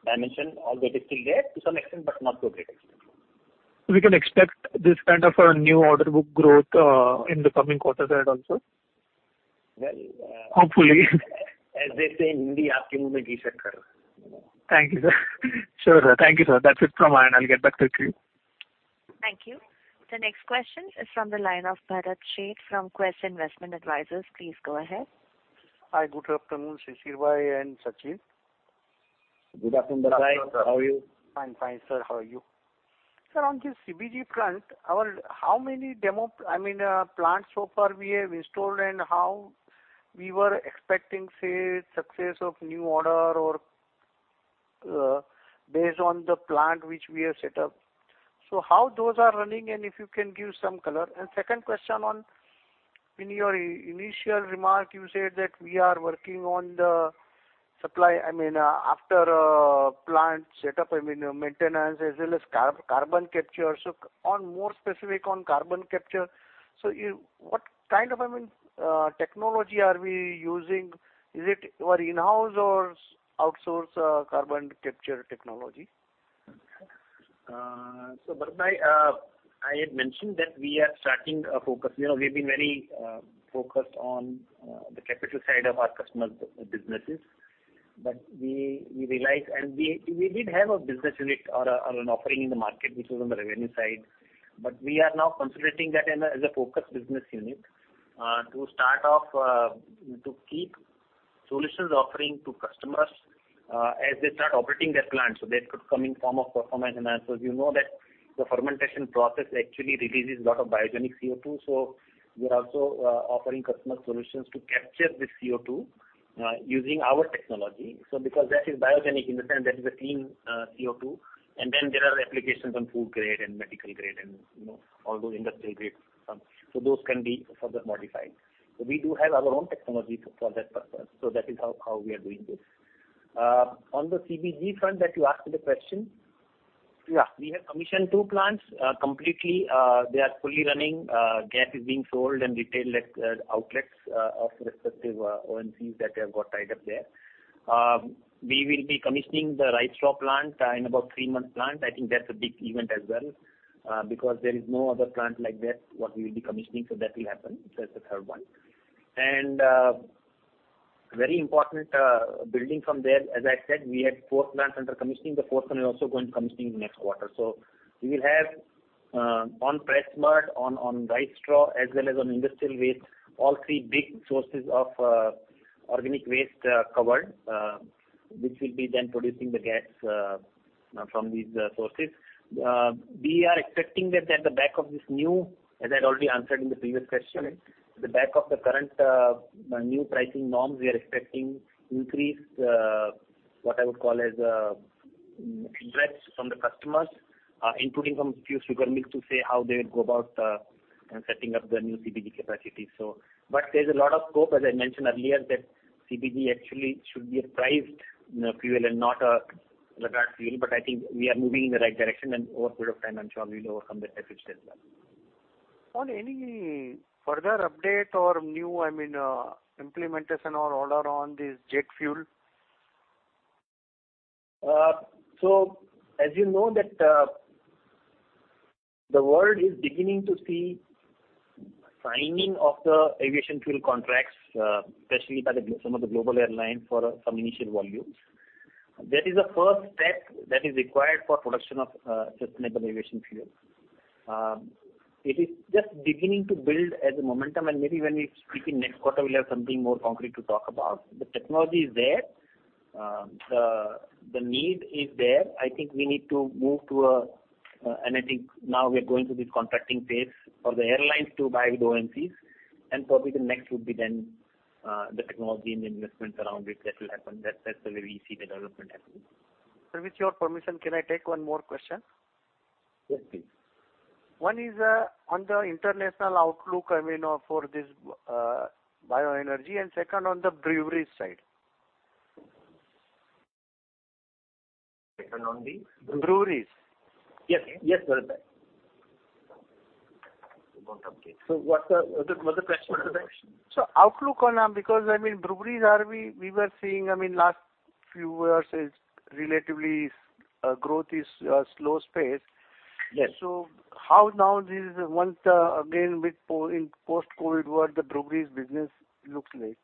dimension, although it is still there to some extent, but not to a great extent. We can expect this kind of a new order book growth in the coming quarters ahead also? Well. Hopefully. As they say in Hindi, Thank you, sir. Sure, sir. Thank you, sir. That's it from my end. I'll get back to you. Thank you. The next question is from the line of Bharat Sheth from Quest Investment Advisors. Please go ahead. Hi. Good afternoon, Shishir and Sachin. Good afternoon, Bharati. Good afternoon, sir. How are you? I'm fine, sir. How are you? Sir, on this CBG plant, how many demo plants so far we have installed and how we were expecting, say, success of new order or based on the plant which we have set up? How those are running, and if you can give some color? Second question on, in your initial remark you said that we are working on the supply, I mean, after plant set up, I mean, maintenance as well as carbon capture. More specific on carbon capture, what kind of, I mean, technology are we using? Is it your in-house or outsourced carbon capture technology? Bharat, I had mentioned that we are starting a focus. You know, we've been very focused on the capital side of our customers' businesses. But we realized, and we did have a business unit or an offering in the market which was on the revenue side. But we are now consolidating that as a focused business unit to start off to keep solutions offering to customers as they start operating their plants. That could come in form of performance enhancements. You know that the fermentation process actually releases a lot of biogenic CO2. We are also offering customer solutions to capture this CO2 using our technology. Because that is biogenic, in the sense that is a clean CO2. Then there are applications on food grade and medical grade and, you know, all those industrial grade stuff. Those can be further modified. We do have our own technology for that purpose. That is how we are doing this. On the CBG front that you asked the question. Yeah. We have commissioned two plants completely. They are fully running. Gas is being sold in retail outlets of respective OMCs that we have got tied up there. We will be commissioning the rice straw plant in about three months. I think that's a big event as well because there is no other plant like that what we will be commissioning that will happen. That's the third one. Very important, building from there, as I said, we had four plants under commissioning. The fourth one is also going to commission in the next quarter. We will have on press mud, on rice straw, as well as on industrial waste, all three big sources of organic waste covered, which will be then producing the gas from these sources. We are expecting that at the back of this new, as I'd already answered in the previous question, the back of the current new pricing norms, we are expecting increased what I would call as interest from the customers, including from few sugar mills to say how they would go about setting up their new CBG capacity. But there's a lot of scope, as I mentioned earlier, that CBG actually should be a priced fuel and not a regarded fuel. But I think we are moving in the right direction. Over a period of time, I'm sure we'll overcome the deficits as well. On any further update or new, I mean, implementation or order on this jet fuel? As you know that, the world is beginning to see signing of the aviation fuel contracts, especially by some of the global airlines for some initial volumes. That is a first step that is required for production of sustainable aviation fuel. It is just beginning to build as a momentum and maybe when we speak in next quarter, we'll have something more concrete to talk about. The technology is there. The need is there. I think we need to move to a. I think now we are going through this contracting phase for the airlines to buy with OMCs. Probably the next would be then the technology and the investments around it that will happen that's the way we see the development happening. Sir, with your permission, can I take one more question? Yes, please. One is on the international outlook, I mean, for this bioenergy and second on the breweries side. Second on the? Breweries. Yes. Yes, Bharat. We don't have data. So what's the- What's the question? Outlook on breweries, because I mean, we were seeing, I mean, last few years is relatively growth is slow pace. Yes. How now this is once again in post-COVID, what the breweries business looks like?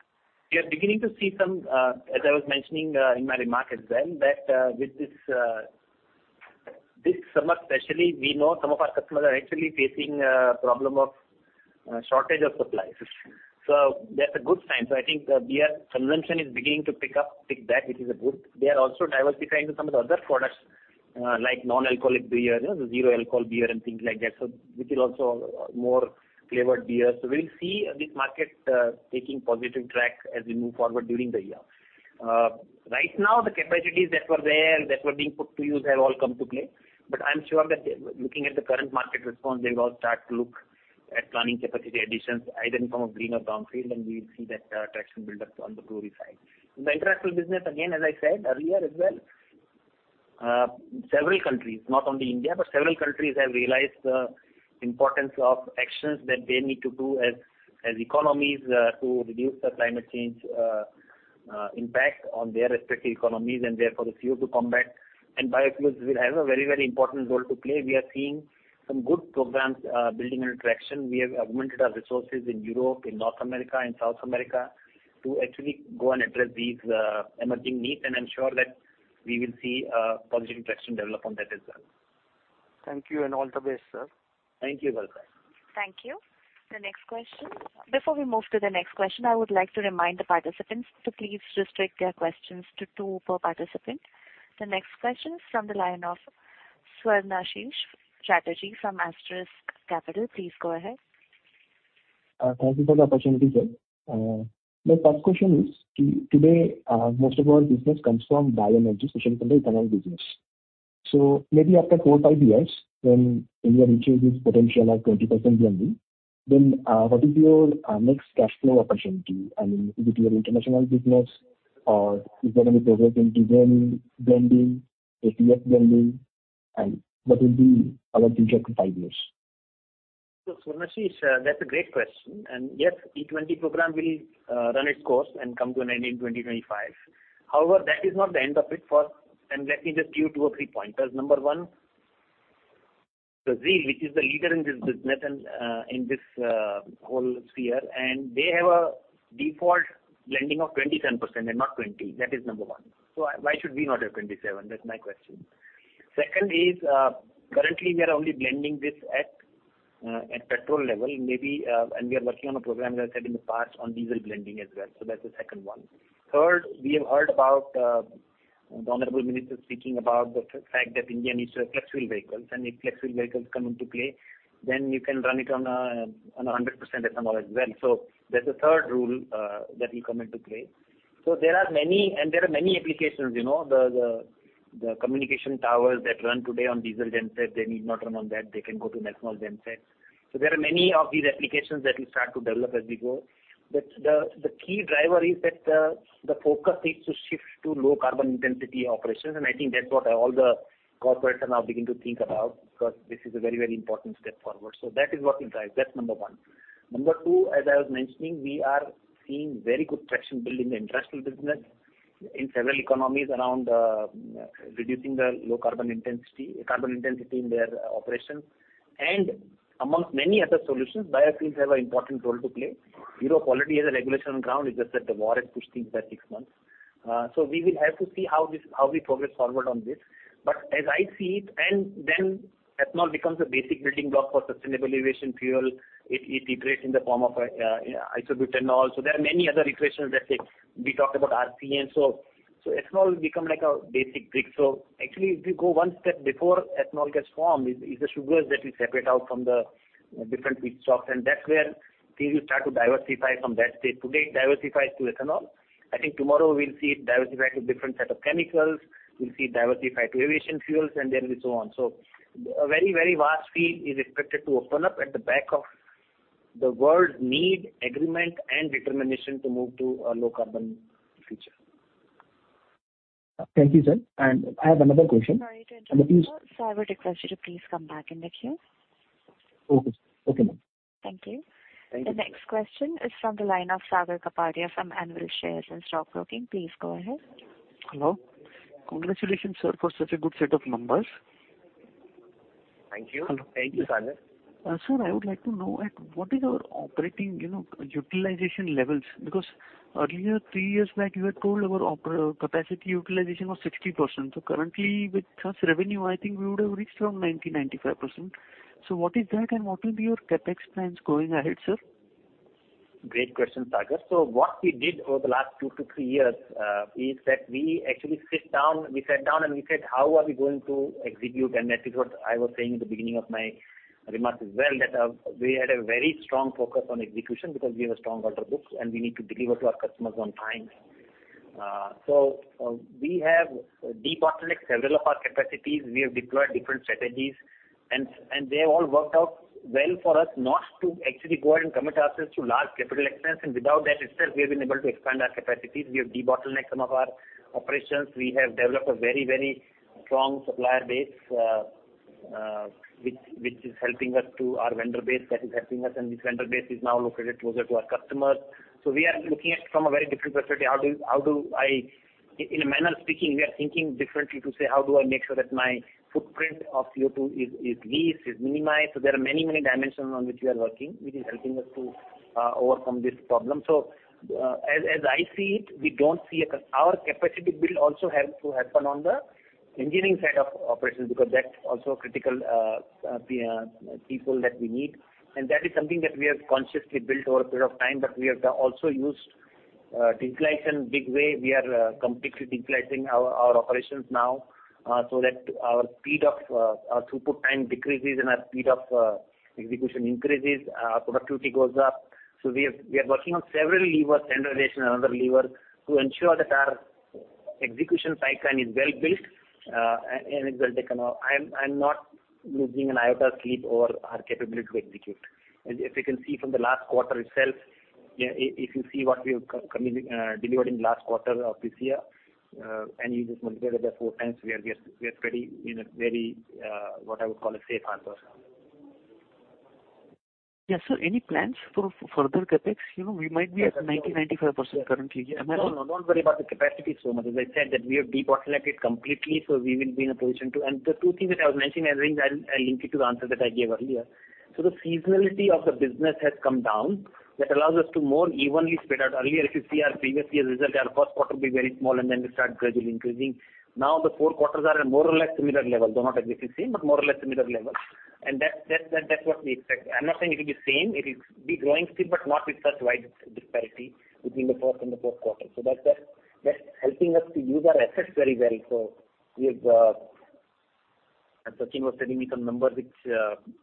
We are beginning to see some, as I was mentioning in my remarks as well, that with this summer especially, we know some of our customers are actually facing problem of shortage of supplies. That's a good sign. I think beer consumption is beginning to pick back up, which is good. They are also diversifying to some of the other products, like non-alcoholic beer, you know, the zero alcohol beer and things like that, so which is also more flavored beers. We'll see this market taking positive track as we move forward during the year. Right now, the capacities that were there, that were being put to use have all come into play. I'm sure that looking at the current market response, they will start to look at planning capacity additions either in form of green or brownfield, and we will see that traction build up on the brewery side. The industrial business, again, as I said earlier as well, several countries, not only India, but several countries have realized the importance of actions that they need to do as economies to reduce the climate change impact on their respective economies and therefore the CO2 combat. Biofuels will have a very, very important role to play. We are seeing some good programs building interaction. We have augmented our resources in Europe, in North America and South America to actually go and address these emerging needs. I'm sure that we will see a positive traction develop on that as well. Thank you and all the best, sir. Thank you, Bharat Sheth. Thank you. The next question. Before we move to the next question, I would like to remind the participants to please restrict their questions to two per participant. The next question is from the line of Swarnashish Chatterjee from Aster Capital. Please go ahead. Thank you for the opportunity, sir. My first question is today, most of our business comes from bioenergy, especially from the internal business. Maybe after four-five years when India reaches its potential of 20% blending, what is your next cash flow opportunity? I mean, is it your international business or is there any progress in diesel blending, ATF blending, and what will be our future in five years? Swarnashish, that's a great question. Yes, E20 program will run its course and come to an end in 2025. However, that is not the end of it. Let me just give you two or three pointers. Number one, Brazil which is the leader in this business and in this whole sphere and they have a default blending of 27% and not 20%. That is number one. Why should we not have 27%? That's my question. Second is, currently we are only blending this at petrol level maybe, and we are working on a program, as I said in the past, on diesel blending as well, that's the second one. Third, we have heard about the honorable minister speaking about the fact that India needs to have flex-fuel vehicles. If flexible vehicles come into play, then you can run it on 100% ethanol as well. That's the third rule that will come into play. There are many applications, you know, the communication towers that run today on diesel genset, they need not run on that. They can go to methanol genset. There are many of these applications that will start to develop as we go. The key driver is that the focus needs to shift to low carbon intensity operations, and I think that's what all the corporates are now beginning to think about because this is a very, very important step forward. That is what will drive. That's number one. Number two, as I was mentioning, we are seeing very good traction build in the industrial business in several economies around reducing the low carbon intensity, carbon intensity in their operations. Amongst many other solutions, biofuels have an important role to play. Europe already has a regulation on ground. It's just that the war has pushed things by six months. We will have to see how we progress forward on this. As I see it, ethanol becomes a basic building block for sustainable aviation fuel. It integrates in the form of a isobutanol. There are many other equations that as we talked about RCM. Ethanol will become like a basic brick. Actually, if you go one step before ethanol gets formed is the sugars that we separate out from the different feedstocks. That's where things will start to diversify from that state. Today, it diversifies to ethanol. I think tomorrow we'll see it diversify to a different set of chemicals. We'll see it diversify to aviation fuels, and then so on. A very, very vast field is expected to open up backed by the world's need, agreement and determination to move to a low-carbon future. Thank you, sir. I have another question. Sorry to interrupt you, sir. I would request you to please come back in the queue. Okay. Okay, ma'am. Thank you. Thank you. The next question is from the line of Sagar Kapadi from Anvil Share & Stock Broking. Please go ahead. Hello. Congratulations, sir, for such a good set of numbers. Thank you. Hello. Thank you, Sagar. Sir, I would like to know what is our operating, you know, utilization levels? Because earlier three years back, you had told our capacity utilization was 60%. Currently with such revenue, I think we would have reached around 90%-95%. What is that and what will be your CapEx plans going ahead, sir? Great question, Sagar. What we did over the last two-three years is that we actually sat down and we said, "How are we going to execute?" That is what I was saying at the beginning of my remarks as well, that we had a very strong focus on execution because we have a strong order books, and we need to deliver to our customers on time. We have debottlenecked several of our capacities. We have deployed different strategies and they have all worked out well for us not to actually go out and commit ourselves to large capital expense. Without that itself, we have been able to expand our capacities. We have debottlenecked some of our operations. We have developed a very, very strong supplier base, which is helping us to our vendor base that is helping us. This vendor base is now located closer to our customers. We are looking at it from a very different perspective. In a manner of speaking, we are thinking differently to say, how do I make sure that my footprint of CO2 is least, is minimized? There are many, many dimensions on which we are working, which is helping us to overcome this problem. As I see it, we don't see. Our capacity build also have to happen on the engineering side of operations because that's also critical, people that we need. That is something that we have consciously built over a period of time, but we have also used digitization in a big way. We are completely digitizing our operations now, so that our speed of our throughput time decreases and our speed of execution increases, our productivity goes up. We are working on several levers, centralization and other levers to ensure that our execution pipeline is well built, and it's well taken off. I am not losing an iota of sleep over our capability to execute. As you can see from the last quarter itself, yeah, if you see what we've delivered in last quarter of this year, and you just multiply that by 4x, we are pretty in a very what I would call a safe harbor. Yes, sir. Any plans for further CapEx? You know, we might be at 90%-95% currently. No, don't worry about the capacity so much. As I said that we are debottlenecked it completely, so we will be in a position to. The two things that I was mentioning, I think I'll link it to the answer that I gave earlier. The seasonality of the business has come down. That allows us to more evenly spread out. Earlier, if you see our previous year result, our first quarter will be very small, and then we start gradually increasing. Now, the four quarters are at a more or less similar level, though not exactly the same, but more or less similar level that's what we expect. I'm not saying it will be same. It will be growing still, but not with such wide disparity between the first and the fourth quarter. That's helping us to use our assets very well. We have. As Sachin was telling me some numbers which,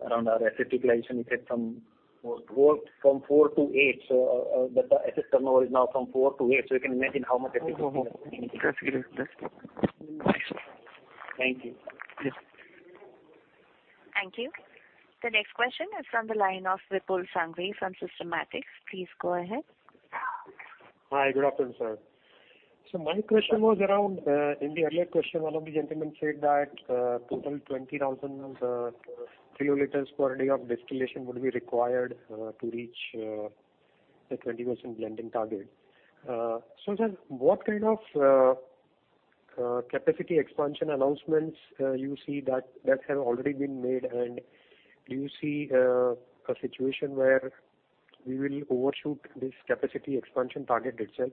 around our asset utilization, we get some- Four. Four. From four to eight. That asset turnover is now from four to eight, so you can imagine how much efficiency. Mm-hmm. That's great. That's great. Thank you. Yes. Thank you. The next question is from the line of Vipul Sanghvi from Systematix. Please go ahead. Hi. Good afternoon, sir. My question was around, in the earlier question, one of the gentlemen said that, total 20,000 kL per day of distillation would be required, to reach, the 20% blending target. Sir, what kind of, capacity expansion announcements, you see that have already been made, and do you see, a situation where we will overshoot this capacity expansion target itself?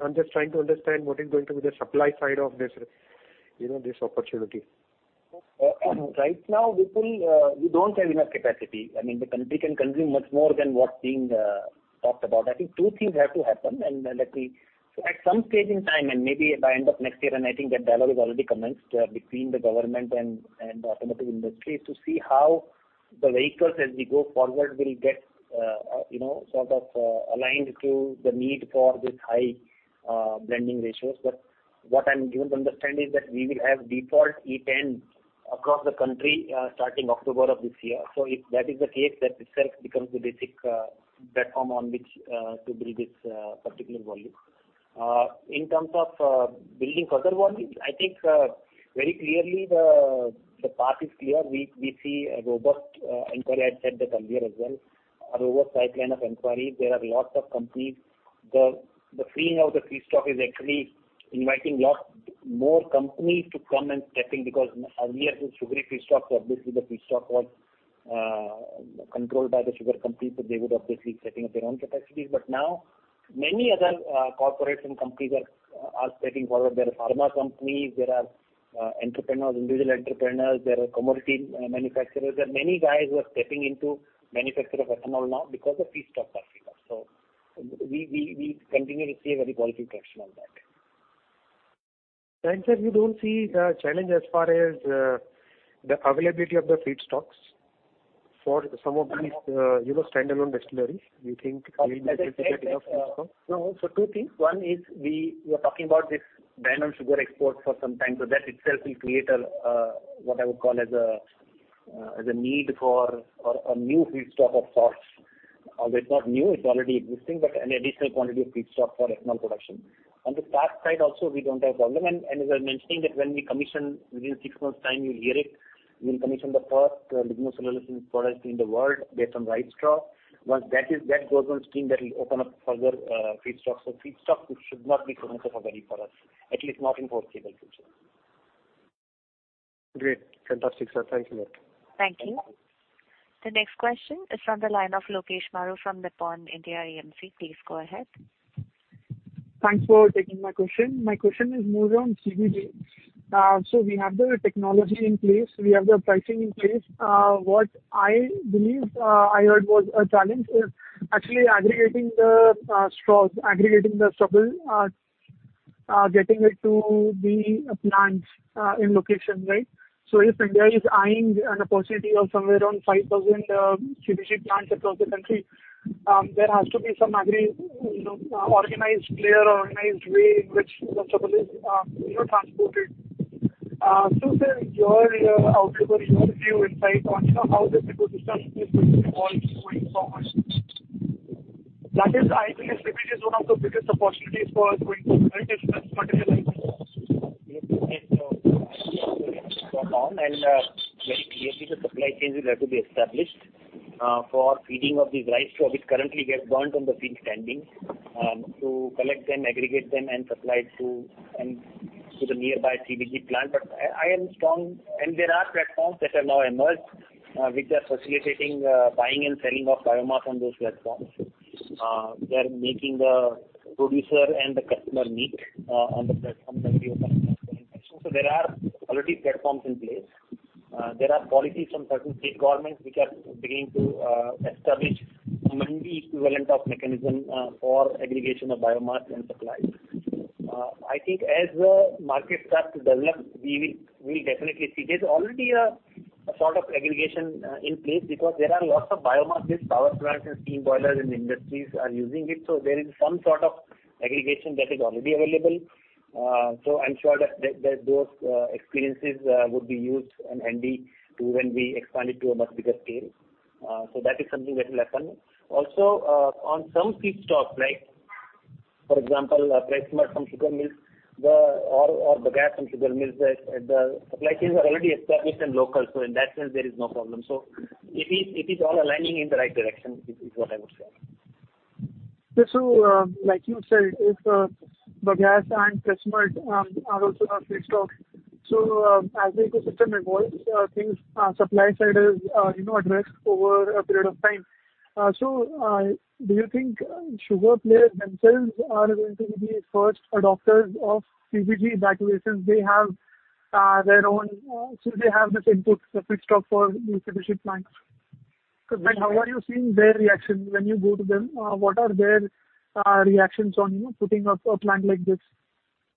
I'm just trying to understand what is going to be the supply side of this, you know, this opportunity. Right now, Vipul, we don't have enough capacity. I mean, the country can consume much more than what's being talked about. I think two things have to happen. At some stage in time and maybe by end of next year, and I think that dialogue is already commenced between the government and automotive industries to see how the vehicles as we go forward will get you know, sort of aligned to the need for this high blending ratios. What I'm given to understand is that we will have default E10 across the country starting October of this year. If that is the case, that itself becomes the basic platform on which to build this particular volume. In terms of building further volumes, I think very clearly the path is clear. We see a robust inquiry. I'd said that earlier as well. A robust pipeline of inquiries. There are lots of companies. The freeing of the feedstock is actually inviting lots more companies to come and step in because earlier the sugary feedstocks were basically controlled by the sugar companies, so they would obviously be setting up their own capacities. Now many other corporate and companies are stepping forward. There are pharma companies, there are entrepreneurs, individual entrepreneurs, there are commodity manufacturers. There are many guys who are stepping into manufacture of ethanol now because of feedstock flexibility. We continue to see a very positive traction on that. Sir, you don't see a challenge as far as the availability of the feedstocks for some of these, you know, standalone distilleries? You think we will be able to get enough feedstock? No. Two things. One is we were talking about this ban on sugar exports for some time. That itself will create a what I would call as a need for a new feedstock of sorts. Although it's not new, it's already existing, but an additional quantity of feedstock for ethanol production. On the tariff side also we don't have problem. As I mentioned that when we commission within six months' time, you'll hear it. We'll commission the first lignocellulosic plant in the world based on rice straw. Once that goes on stream, that will open up further feedstocks. Feedstock should not be constraint for us, at least not in foreseeable future. Great. Fantastic, sir. Thank you very much. Thank you. The next question is from the line of Lokesh Maru from Nippon India AMC. Please go ahead. Thanks for taking my question. My question is more on CBG. We have the technology in place, we have the pricing in place. What I believe I heard was a challenge is actually aggregating the straw, getting it to the plants in location, right? If India is eyeing an opportunity of somewhere around 5,000 CBG plants across the country, there has to be some agri organized, clear organized way in which the straw is transported. Sir, your outlook or your view insight on how this ecosystem is going to evolve going forward? That is, I believe CBG is one of the biggest opportunities for us going forward, right? Is that what is your thinking? Yes. It is. I see opportunities going on and very clearly the supply chains will have to be established for feeding of these rice straw which currently gets burnt on the field standing, to collect them, aggregate them, and supply it to the nearby CBG plant but I am strong. There are platforms that have now emerged which are facilitating buying and selling of biomass on those platforms. They are making the producer and the customer meet on the platform that we open up. There are already platforms in place. There are policies from certain state governments which are beginning to establish a mini equivalent of mechanism for aggregation of biomass and supplies. I think as the market starts to develop, we'll definitely see. There's already a sort of aggregation in place because there are lots of biomass-based power plants and steam boilers and industries are using it. There is some sort of aggregation that is already available. I'm sure that those experiences would be used and handy when we expand it to a much bigger scale. That is something that will happen. Also, on some feedstock, like for example, press mud from sugar mills or bagasse from sugar mills, the supply chains are already established and local, so in that sense there is no problem. It is all aligning in the right direction, is what I would say. Yes, like you said, if bagasse and press mud are also now feedstock, as the ecosystem evolves, the supply side is, you know, addressed over a period of time. Do you think sugar players themselves are going to be first adopters of CBG because they have their own, so they have this input, the feedstock for these CBG plants. And how are you seeing their reaction when you go to them? What are their reactions on, you know, putting up a plant like this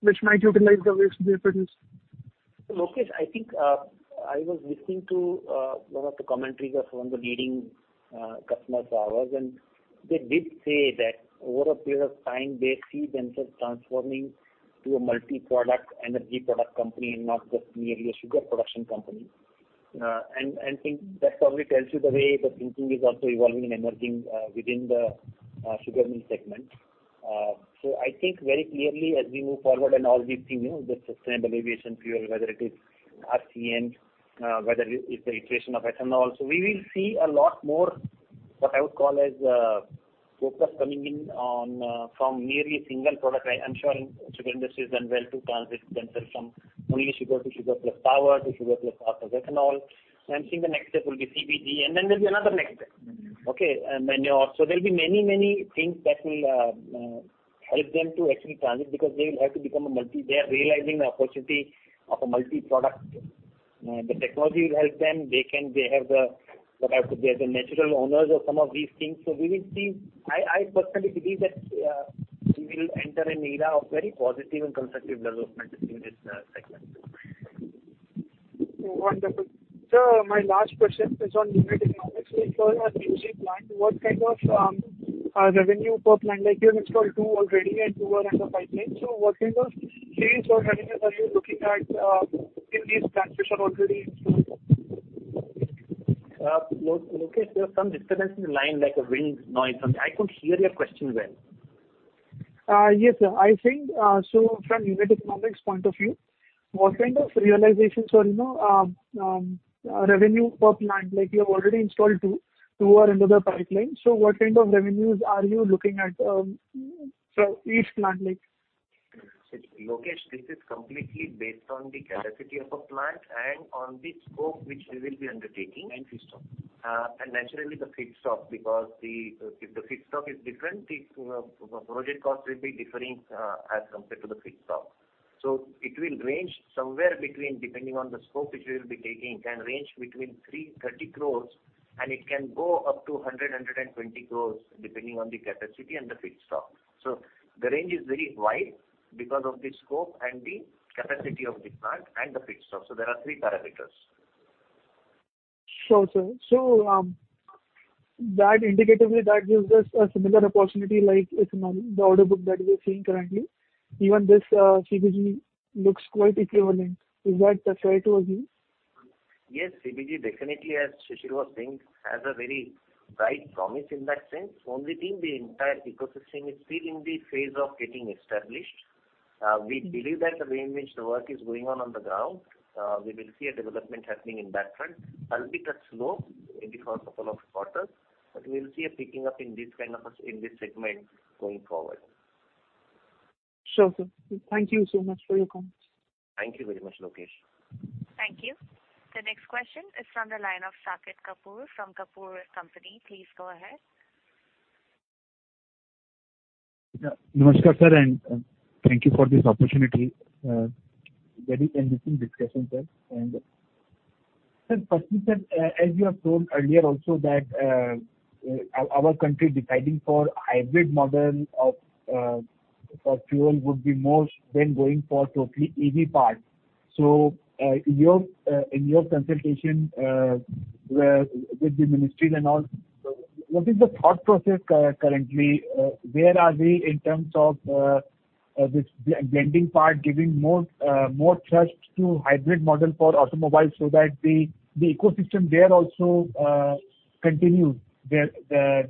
which might utilize the waste they produce? Lokesh, I think I was listening to one of the commentaries of one of the leading customers of ours, and they did say that over a period of time, they see themselves transforming to a multi-product energy product company and not just merely a sugar production company. I think that probably tells you the way the thinking is also evolving and emerging within the sugar mill segment. I think very clearly as we move forward and all we've seen, you know, the sustainable aviation fuel, whether it is RCN, whether it is the iteration of ethanol. We will see a lot more what I would call as focus coming in on from merely a single product. I'm sure sugar industries are well to transit themselves from only sugar to sugar plus power to sugar plus ethanol. I think the next step will be CBG and then there'll be another next step. Okay? Also there'll be many, many things that will help them to actually transit because they will have to become a multi-product. They are realizing the opportunity of a multi-product. The technology will help them. They have the, what I would say, the natural owners of some of these things. We will see. I personally believe that we will enter an era of very positive and constructive development in this segment. Wonderful. Sir, my last question is on unit economics. If you have a CBG plant, what kind of revenue per plant? Like you have installed two already and two are in the pipeline. What kind of sales or revenues are you looking at in these plants which are already installed? Lokesh, there was some disturbance in the line, like a wind noise or something. I couldn't hear your question well. Yes, sir. I think from unit economics point of view, what kind of realizations or, you know, revenue per plant? Like you have already installed two. A two are in the pipeline. What kind of revenues are you looking at, per each plant like? Lokesh, this is completely based on the capacity of a plant and on the scope which we will be undertaking. Feedstock. Naturally the feedstock, because if the feedstock is different, the project cost will be differing as compared to the feedstock. It will range somewhere between, depending on the scope which we will be taking, can range between 330 crores and it can go up to 120 crores, depending on the capacity and the feedstock. The range is very wide because of the scope and the capacity of the plant and the feedstock. There are 3 parameters. Sure, sir. That indicatively, that gives us a similar opportunity like ethanol, the order book that we are seeing currently. Even this, CBG looks quite equivalent. Is that fair to assume? Yes, CBG definitely, as Shishir Joshipura was saying, has a very bright promise in that sense. Only thing, the entire ecosystem is still in the phase of getting established. We believe that the way in which the work is going on on the ground, we will see a development happening in that front, albeit slowly in the course of a lot of quarters. We will see a picking up in this segment going forward. Sure, sir. Thank you so much for your comments. Thank you very much, Lokesh. Thank you. The next question is from the line of Saket Kapoor from Kapoor & Company. Please go ahead. Namaskar, sir, and thank you for this opportunity. Very interesting discussion, sir. Sir, firstly, sir, as you have told earlier also that, our country deciding for hybrid model of fuel would be more than going for totally EV path. In your, in your consultation, where with the ministries and all, what is the thought process, currently? Where are they in terms of, this blending part giving more, more trust to hybrid model for automobiles so that the ecosystem there also, continues? There,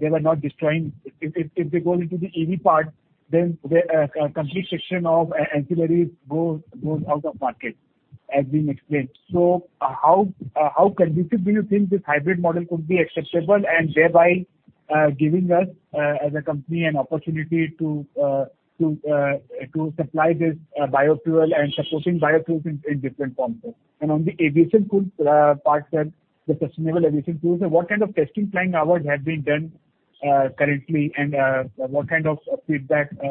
they were not destroying. If they go into the EV path then the, complete section of ancillaries goes out of market, as been explained. How conducive do you think this hybrid model could be acceptable and thereby giving us as a company an opportunity to supply this biofuel and supporting biofuels in different forms, sir? On the aviation fuel part, sir, the sustainable aviation fuels, what kind of testing flying hours have been done currently and what kind of feedback they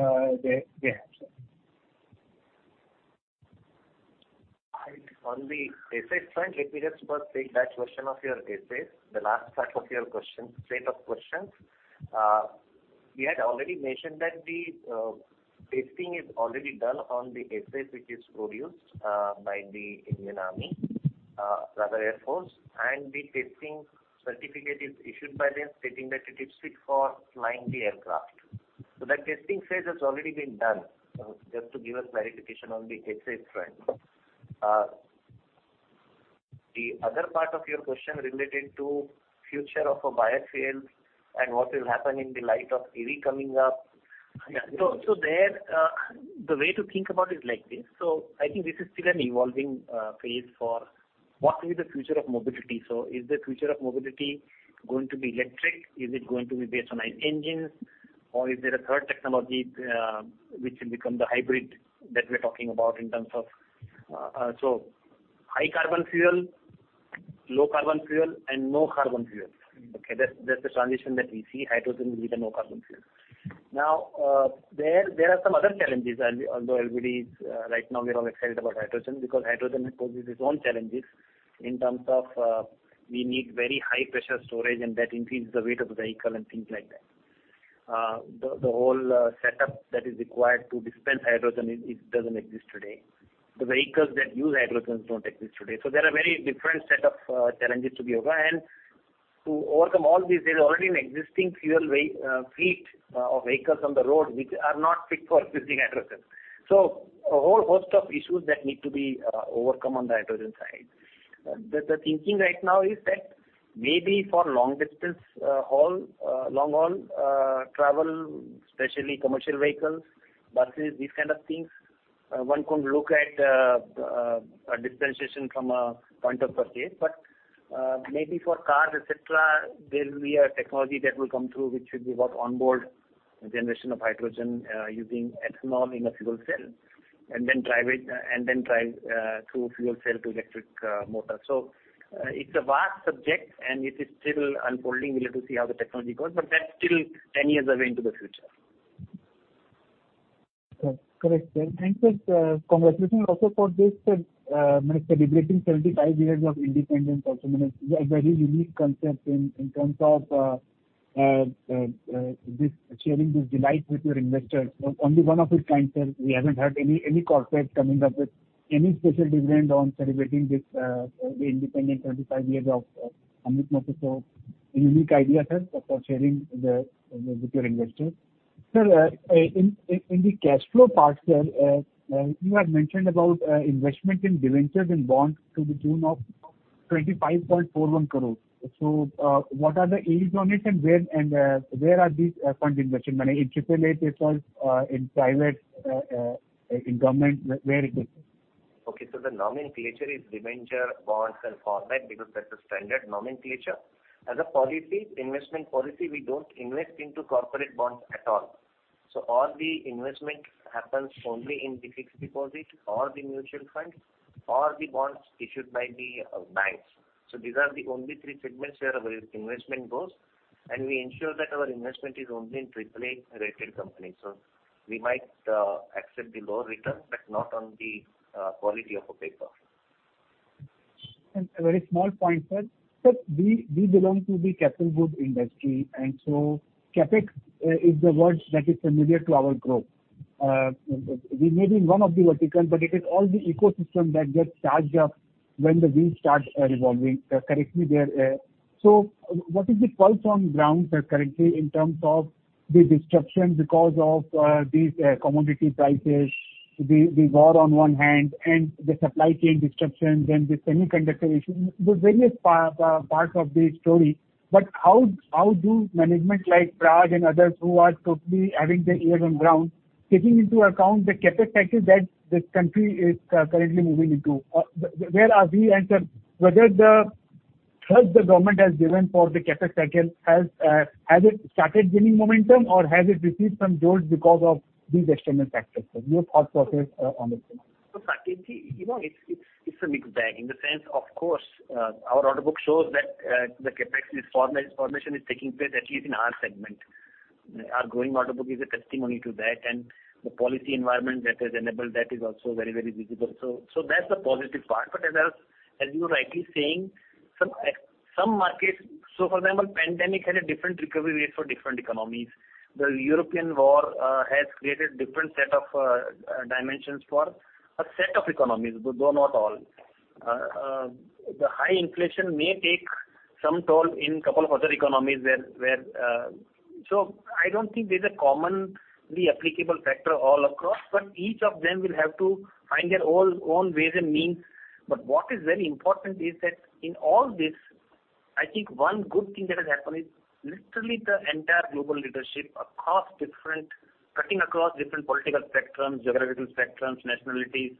have, sir? On the SAF front, let me just first take that question of your SAF, the last part of your question, set of questions. We had already mentioned that the testing is already done on the SAF which is produced by the Indian Air Force, and the testing certificate is issued by them stating that it is fit for flying the aircraft. That testing phase has already been done. Just to give a clarification on the SAF front. The other part of your question related to future of a biofuel and what will happen in the light of EV coming up. There, the way to think about it is like this. I think this is still an evolving phase for what will be the future of mobility. Is the future of mobility going to be electric? Is it going to be based on ICE engines, or is there a third technology which will become the hybrid that we're talking about in terms of, so high carbon fuel, low carbon fuel and no carbon fuel. Okay. That's the transition that we see. Hydrogen will be the no carbon fuel. Now, there are some other challenges. Although EVs, right now we're all excited about hydrogen because hydrogen poses its own challenges in terms of, we need very high pressure storage, and that increases the weight of the vehicle and things like that. The whole setup that is required to dispense hydrogen, it doesn't exist today. The vehicles that use hydrogen don't exist today. So there are very different set of challenges to be aware. To overcome all these, there's already an existing full fleet of vehicles on the road which are not fit for using hydrogen. A whole host of issues that need to be overcome on the hydrogen side. The thinking right now is that maybe for long-haul travel, especially commercial vehicles, buses, these kind of things, one can look at a dispensation from a point of purchase. But maybe for cars, etc., there will be a technology that will come through which will be onboard generation of hydrogen using ethanol in a fuel cell and then drive through fuel cell to electric motor. It's a vast subject, and it is still unfolding. We'll have to see how the technology goes, but that's still 10 years away into the future. Correct, sir. Thanks, sir. Congratulations also for this, sir, celebrating 75 years of independence. Also, I mean, it's a very unique concept in terms of this sharing this delight with your investors. Only one of its kind, sir. We haven't had any corporate coming up with any special dividend on celebrating this independence 75 years of Amrit Mahotsav. So a unique idea, sir, for sharing with your investors. Sir, in the cash flow part, sir, you had mentioned about investment in debentures and bonds to the tune of 25.41 crore. So, what are the yields on it, and where are these funds invested? I mean, in triple-A papers, in private, in government, where is it? Okay. The nomenclature is debenture, bonds and corporate because that's the standard nomenclature. As a policy, investment policy, we don't invest into corporate bonds at all. All the investment happens only in the fixed deposit or the mutual funds or the bonds issued by the banks. These are the only three segments where our investment goes, and we ensure that our investment is only in triple A-rated companies. We might accept the lower return, but not on the quality of the paper. A very small point, sir. Sir, we belong to the capital goods industry, and so CapEx is the word that is familiar to our growth. We may be in one of the verticals, but it is all the ecosystem that gets charged up when the wheels start revolving correctly, there. What is the pulse on ground, sir, currently in terms of the disruptions because of these commodity prices, the war on one hand and the supply chain disruptions and the semiconductor issue, the various parts of the story? How do management like Praj and others who are totally having their ears on ground, taking into account the CapEx cycles that this country is currently moving into, where are we? Sir, whether the trust the government has given for the CapEx cycle has it started gaining momentum, or has it received some jolt because of these external factors? Sir, your thought process on this, please. Saket Ji, you know, it's a mixed bag. In the sense, of course, our order book shows that the CapEx formation is taking place, at least in our segment. Our growing order book is a testimony to that. The policy environment that has enabled that is also very, very visible, that's the positive part. But as you're rightly saying, some markets. For example, pandemic had a different recovery rate for different economies. The European war has created different set of dimensions for a set of economies, though not all. The high inflation may take some toll in couple of other economies where. I don't think there's a commonly applicable factor all across, but each of them will have to find their own ways and means. What is very important is that in all this, I think one good thing that has happened is literally the entire global leadership across different cutting across different political spectrums, geographical spectrums, nationalities,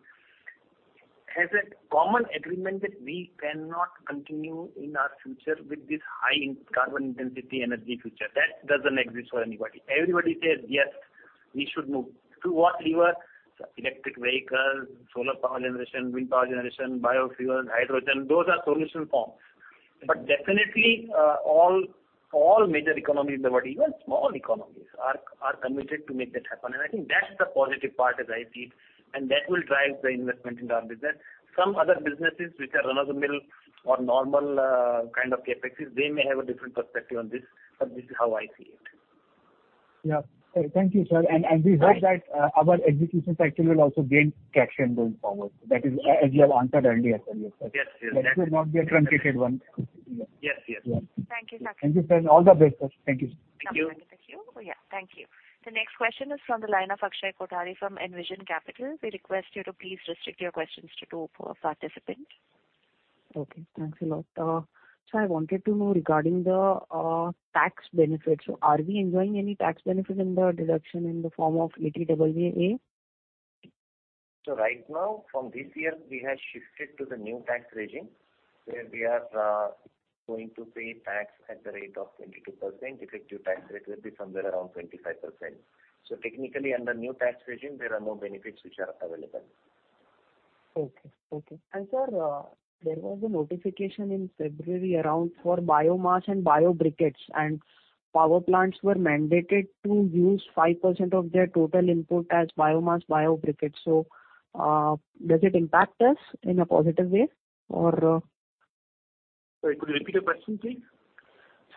has a common agreement that we cannot continue in our future with this high carbon intensity energy future. That doesn't exist for anybody. Everybody says, "Yes, we should move. To what, you ask. Electric vehicles, solar power generation, wind power generation, biofuel and hydrogen, those are solution forms." Definitely, all major economies in the world, even small economies are committed to make that happen. I think that's the positive part as I see, and that will drive the investment in our business. Some other businesses which are run-of-the-mill or normal, kind of CapExes, they may have a different perspective on this, but this is how I see it. Yeah. Thank you, sir. Right. We hope that our execution cycle will also gain traction going forward. That is, as you have answered earlier, sir, yes, sir. Yes, yes. That should not be a truncated one. Yes. Yes, yes. Yeah. Thank you, sir. Thank you, sir. All the best, sir. Thank you. Thank you. Thank you. Yeah. Thank you. The next question is from the line of Akshay Kothari from Envision Capital. We request you to please restrict your questions to two per participant. Okay. Thanks a lot. I wanted to know regarding the tax benefits. Are we enjoying any tax benefit in the deduction in the form of 80IA? Right now, from this year we have shifted to the new tax regime, where we are going to pay tax at the rate of 22%. Effective tax rate will be somewhere around 25%. Technically under new tax regime, there are no benefits which are available. Sir, there was a notification in February regarding biomass and bio-briquettes, and power plants were mandated to use 5% of their total input as biomass bio-briquettes. Does it impact us in a positive way, or? Sorry, could you repeat the question, please?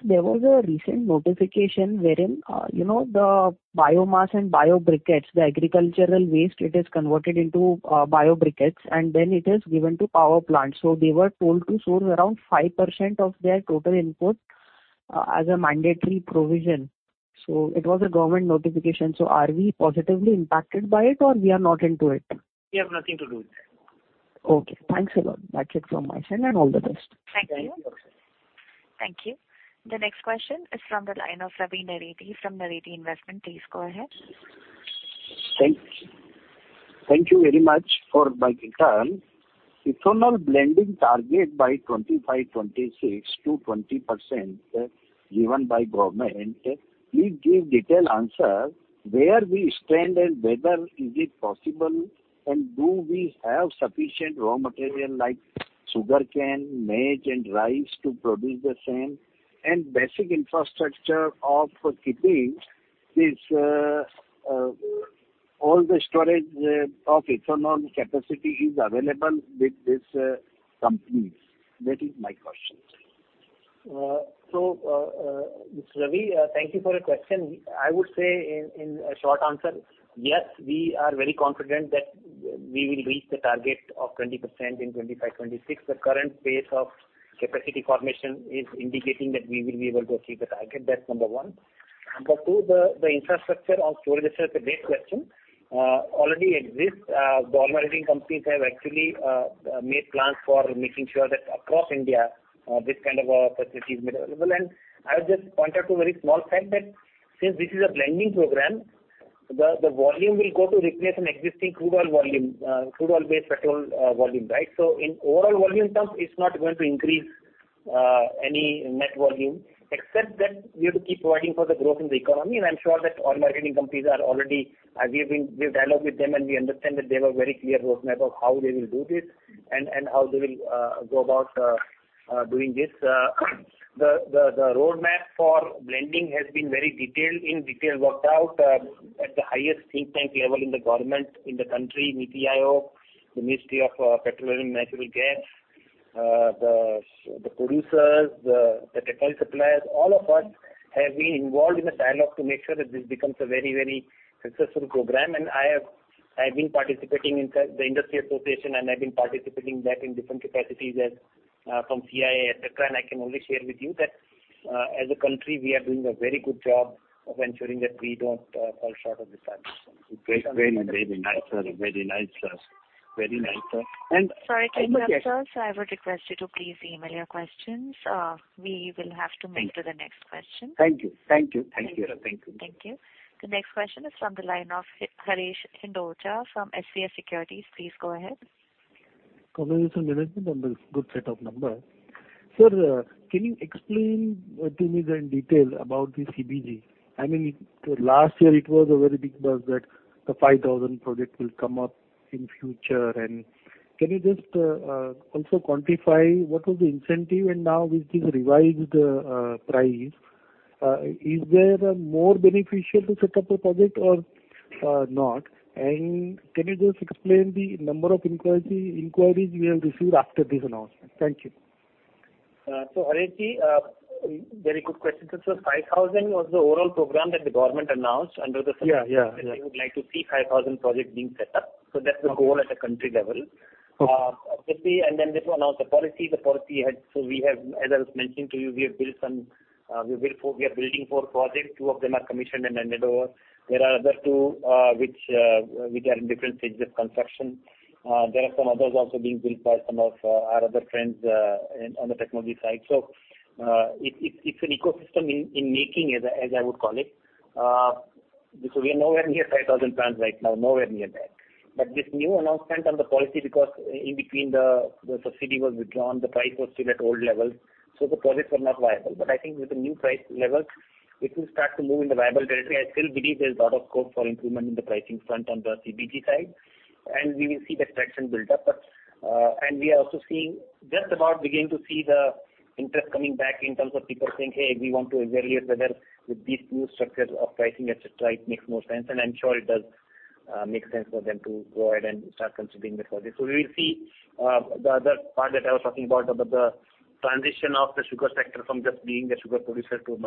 There was a recent notification wherein the biomass and bio-briquettes, the agricultural waste, it is converted into bio-briquettes, and then it is given to power plants. They were told to source around 5% of their total input as a mandatory provision. It was a government notification. Are we positively impacted by it or we are not into it? We have nothing to do with that. Okay, thanks a lot. That's it from my side, and all the best. Thank you. Thank you. Thank you. The next question is from the line of Ravi Naredi from Naredi Investments. Please go ahead. Thank you very much for my turn. Ethanol blending target by 2025-2026 to 20% given by Government. Please give detailed answer where we stand and whether is it possible, and do we have sufficient raw material like sugarcane, maize and rice to produce the same? Basic infrastructure of keeping this all the storage of ethanol capacity is available with these companies. That is my question. Mr. Ravi, thank you for your question. I would say in a short answer, yes, we are very confident that we will reach the target of 20% in 2025-2026. The current pace of capacity formation is indicating that we will be able to achieve the target that's number one. Number two, the infrastructure of storage, that's a great question, already exists. Oil marketing companies have actually made plans for making sure that across India, this kind of a facility is made available. I would just point out to a very small fact that since this is a blending program, the volume will go to replace an existing crude oil volume, crude oil-based petrol volume, right? In overall volume terms, it's not going to increase any net volume except that we have to keep providing for the growth in the economy. I'm sure that oil marketing companies are already. We have dialogued with them and we understand that they have a very clear roadmap of how they will do this and how they will go about doing this. The roadmap for blending has been very detailed, in detail worked out at the highest think tank level in the government in the country, NITI Aayog, the Ministry of Petroleum and Natural Gas, the producers, the petrol suppliers. All of us have been involved in a dialogue to make sure that this becomes a very, very successful program, and I've been participating in the industry association in different capacities as from CII, etc.. I can only share with you that as a country, we are doing a very good job of ensuring that we don't fall short of the targets. Very nice, sir. Sorry to interrupt, sir. I would request you to please email your questions. We will have to move to the next question. Thank you. Thank you. The next question is from the line of Haresh Hindocha from Subhecha Securities. Please go ahead. Congratulations on this good set of numbers. Sir, can you explain to me the detail about the CBG? I mean, last year it was a very big buzz that the 5,000 project will come up in future. Can you just also quantify what was the incentive? Now with this revised price, is there more beneficial to set up a project or not? Can you just explain the number of inquiries you have received after this announcement? Thank you. Haresh, very good question. 5,000 was the overall program that the government announced under the. Yeah, yeah. Saying they would like to see 5,000 projects being set up, that's the goal at a country level. Obviously, then they've announced the policy. The policy has, as I mentioned to you, we have built some, we are building four projects. Two of them are commissioned and handed over. There are two other, which are in different stages of construction. There are some others also being built by some of our other friends on the technology side. It's an ecosystem in making as I would call it. We are nowhere near 5,000 plants right now, nowhere near there. This new announcement on the policy, because in between the subsidy was withdrawn, the price was still at old levels, so the projects were not viable. I think with the new price levels, it will start to move in the viable territory. I still believe there's a lot of scope for improvement in the pricing front on the CBG side, and we will see the traction build up. We are also seeing just about beginning to see the interest coming back in terms of people saying, "Hey, we want to evaluate whether with this new structure of pricing, et cetera, it makes more sense." I'm sure it does make sense for them to go ahead and start considering the project. We will see the other part that I was talking about the transition of the sugar sector from just being a sugar producer to a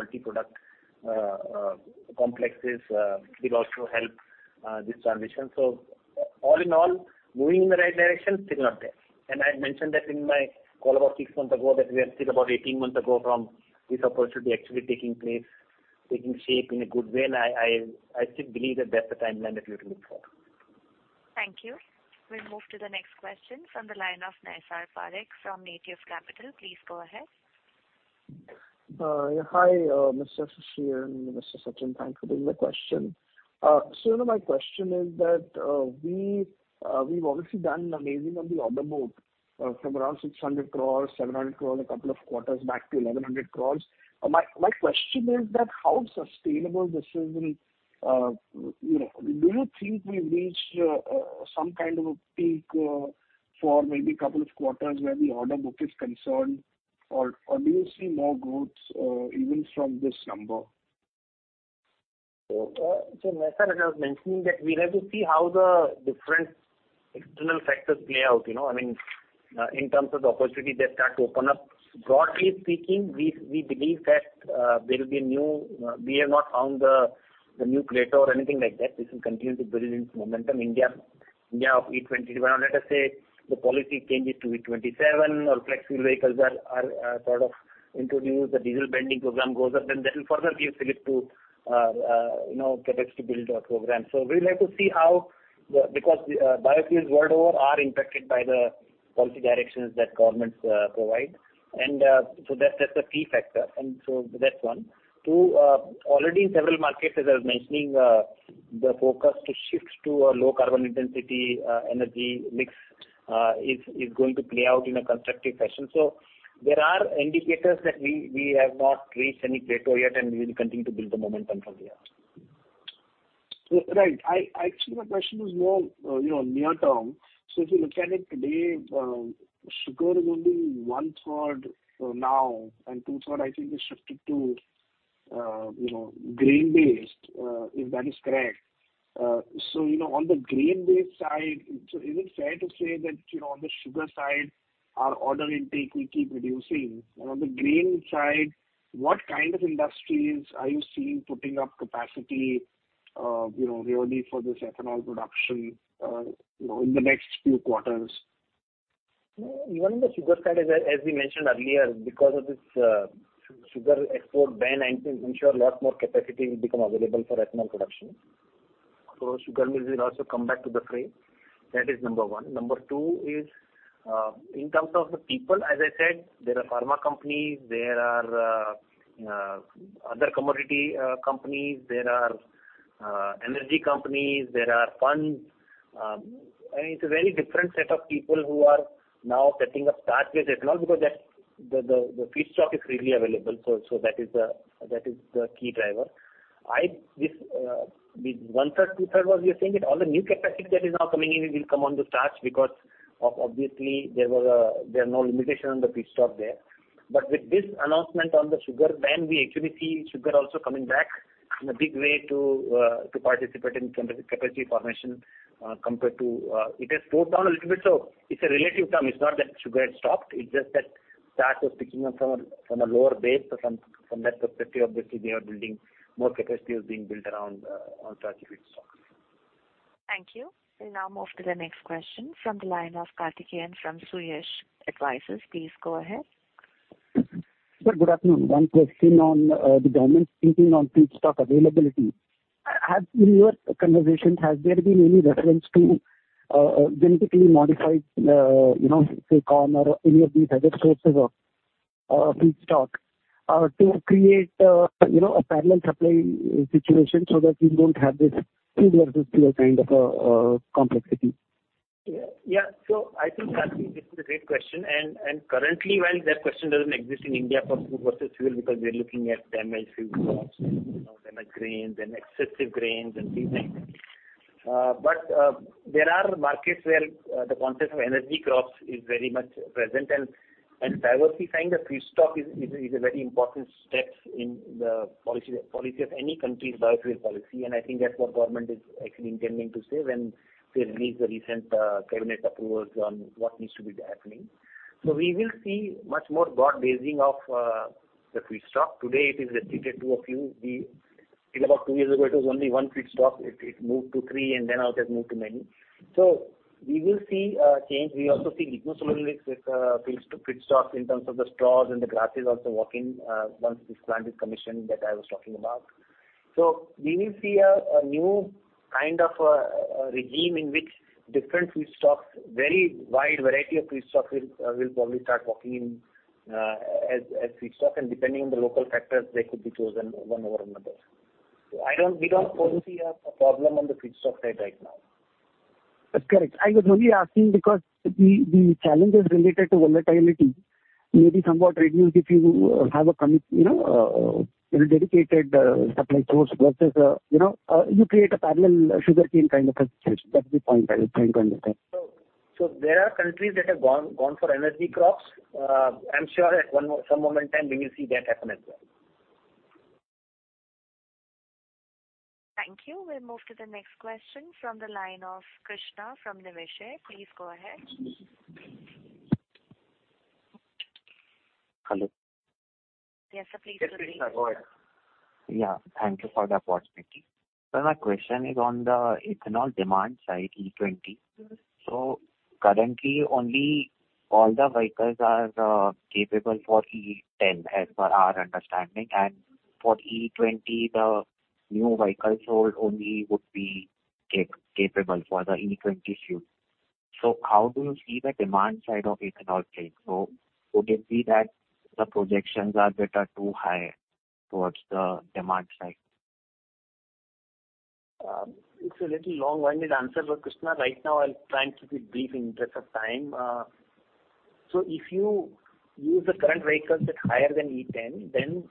multi-product complexes will also help this transition. All in all, moving in the right direction, signs are up there. I had mentioned that in my call about six months ago, that we are still about 18 months away from this opportunity actually taking place, taking shape in a good way. I still believe that that's the timeline that we have to look for. Thank you. We'll move to the next question from the line of Naysar Parikh from Native Capital. Please go ahead. Yeah. Hi, Mr. Shishir and Mr. Sachin. Thanks for taking the question. So my question is that we've obviously done amazing on the order book from around 600-700 crores a couple of quarters back to 1,100 crores. My question is that how sustainable this has been. You know, do you think we've reached some kind of a peak for maybe couple of quarters where the order book is concerned or do you see more growth even from this number? Naysar Parikh, as I was mentioning that we'll have to see how the different external factors play out, you know. I mean, in terms of the opportunity, they start to open up. Broadly speaking, we believe that there will be new. We have not found the new chapter or anything like that. This will continue to build momentum. India at E20, or let us say the policy changes to E27 or flex fuel vehicles are sort of introduced. The diesel blending program goes up, then that will further give fillip to capacity build-out program. We'll have to see how the biofuels world over are impacted by the policy directions that governments provide. That that's a key factor, that's one. Two, already in several markets, as I was mentioning, the focus to shift to a low carbon intensity, energy mix, is going to play out in a constructive fashion. There are indicators that we have not reached any plateau yet and we will continue to build the momentum from here. Right. I, actually my question is more, you know, near term. If you look at it today, sugar is only 1/3 for now, and 2/3 I think is shifted to, you know, grain-based, if that is correct. You know, on the grain-based side, so is it fair to say that, you know, on the sugar side, our order intake will keep reducing? And on the grain side, what kind of industries are you seeing putting up capacity, you know, really for this ethanol production, you know, in the next few quarters? Even in the sugar side, as we mentioned earlier, because of this sugar export ban, I'm sure a lot more capacity will become available for ethanol production. Sugar mills will also come back to the frame, that is number one. Number two is in terms of the people, as I said, there are pharma companies, there are other commodity companies, there are energy companies, there are funds. It's a very different set of people who are now setting up starch-based ethanol because that's the feedstock is freely available. So that is the key driver. Is this the 1/3, 2/3 what you're saying that all the new capacity that is now coming in will come on to starch because obviously there are no limitations on the feedstock there. With this announcement on the sugar ban, we actually see sugar also coming back in a big way to participate in capacity formation compared to it has slowed down a little bit, so it's a relative term. It's not that sugar has stopped. It's just that starch was picking up from a lower base. From that perspective, obviously more capacity is being built around on starch-based feedstock. Thank you. We'll now move to the next question from the line of Karthikeyan from Suyesh Consulting. Please go ahead. Sir, good afternoon. One question on the government thinking on feedstock availability. Has, in your conversations, there been any reference to genetically modified, you know, say corn or any of these other sources of feedstock to create, you know, a parallel supply situation so that you don't have this food versus fuel kind of a complexity? I think, Karthikeyan, this is a great question. Currently, while that question doesn't exist in India for food versus fuel, because we are looking at damaged food crops, you know, damaged grains and excessive grains and these things. There are markets where the concept of energy crops is very much present. Diversifying the feedstock is a very important step in the policy of any country's biofuel policy. I think that's what government is actually intending to say when they released the recent cabinet approvals on what needs to be happening. We will see much more broad basing of the feedstock. Today, it is restricted to a few. Till about two years ago, it was only one feedstock. It moved to three, and then now it has moved to many. We will see a change. We also see lignocellulosic with feedstock in terms of the straws and the grasses also working once this plant is commissioned that I was talking about. We will see a new kind of a regime in which different feedstocks, very wide variety of feedstock will probably start working as feedstock. Depending on the local factors, they could be chosen one over another. We don't foresee a problem on the feedstock side right now. That's correct. I was only asking because the challenges related to volatility may be somewhat reduced if you have a you know, a dedicated supply source versus, you know, you create a parallel sugarcane kind of a situation. That's the point I was trying to understand. There are countries that have gone for energy crops. I'm sure at some moment in time we will see that happen as well. Thank you. We'll move to the next question from the line of Krishna from Nimai Shah. Please go ahead. Hello. Yes, sir. Please proceed. Yes, Krishna, go ahead. Yeah, thank you for the opportunity. My question is on the ethanol demand side, E20. Currently only all the vehicles are capable for E10 as per our understanding. For E20, the new vehicles sold only would be capable for the E20 fuel. How do you see the demand side of ethanol playing? Would it be that the projections are better too high towards the demand side? It's a little long-winded answer but Krishna, right now I'll try and keep it brief in interest of time. If you use the current vehicles at higher than E10, then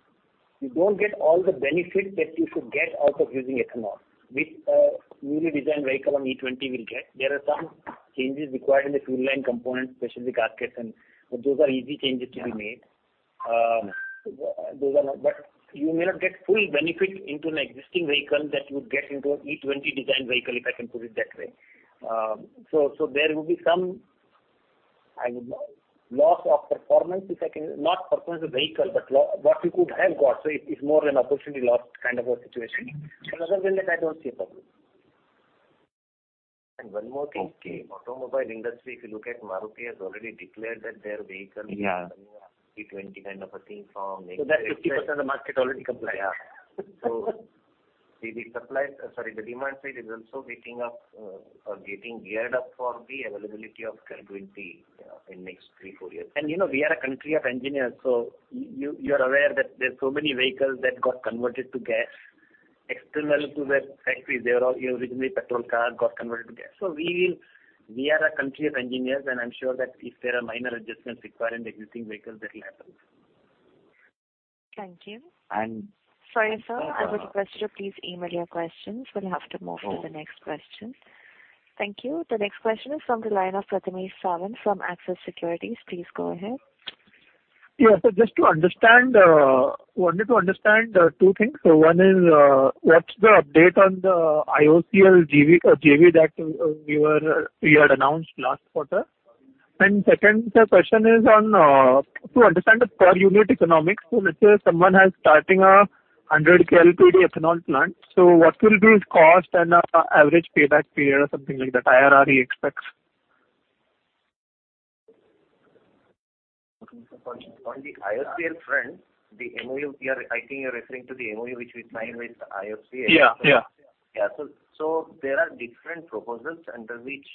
you don't get all the benefits that you should get out of using ethanol which a newly designed vehicle on E20 will get. There are some changes required in the fuel line components, especially gaskets. Those are easy changes to be made. You may not get full benefit into an existing vehicle that you would get into an E20 designed vehicle, if I can put it that way. There will be some loss of performance if I can. Not performance of the vehicle but loss, what you could have got. It's more an opportunity lost kind of a situation. Other than that, I don't see a problem. Okay. One more thing. Automobile industry, if you look at Maruti, has already declared that their vehicles- Yeah. E20 kind of a thing from next year. That's 50% of the market already compliant. The demand side is also getting geared up for the availability of E20 in next three-four years. You know, we are a country of engineers, so you're aware that there's so many vehicles that got converted to gas external to the factory. They were all originally petrol car, got converted to gas. We are a country of engineers, and I'm sure that if there are minor adjustments required in the existing vehicles, that'll happen. Thank you. And- Sorry, sir, I would request you to please email your questions. We'll have to move to the next question. Oh. Thank you. The next question is from the line of Prathamesh Sawiant from Axis Securities. Please go ahead. Just to understand two things. One is what's the update on the IOCL JV that we had announced last quarter. Second, the question is to understand the per unit economics. Let's say someone is starting a 100 KLPD ethanol plant. What will be its cost and average payback period or something like that IRR he expects? On the IOCL front, I think you're referring to the MOU which we signed with IOCL. Yeah. There are different proposals under which,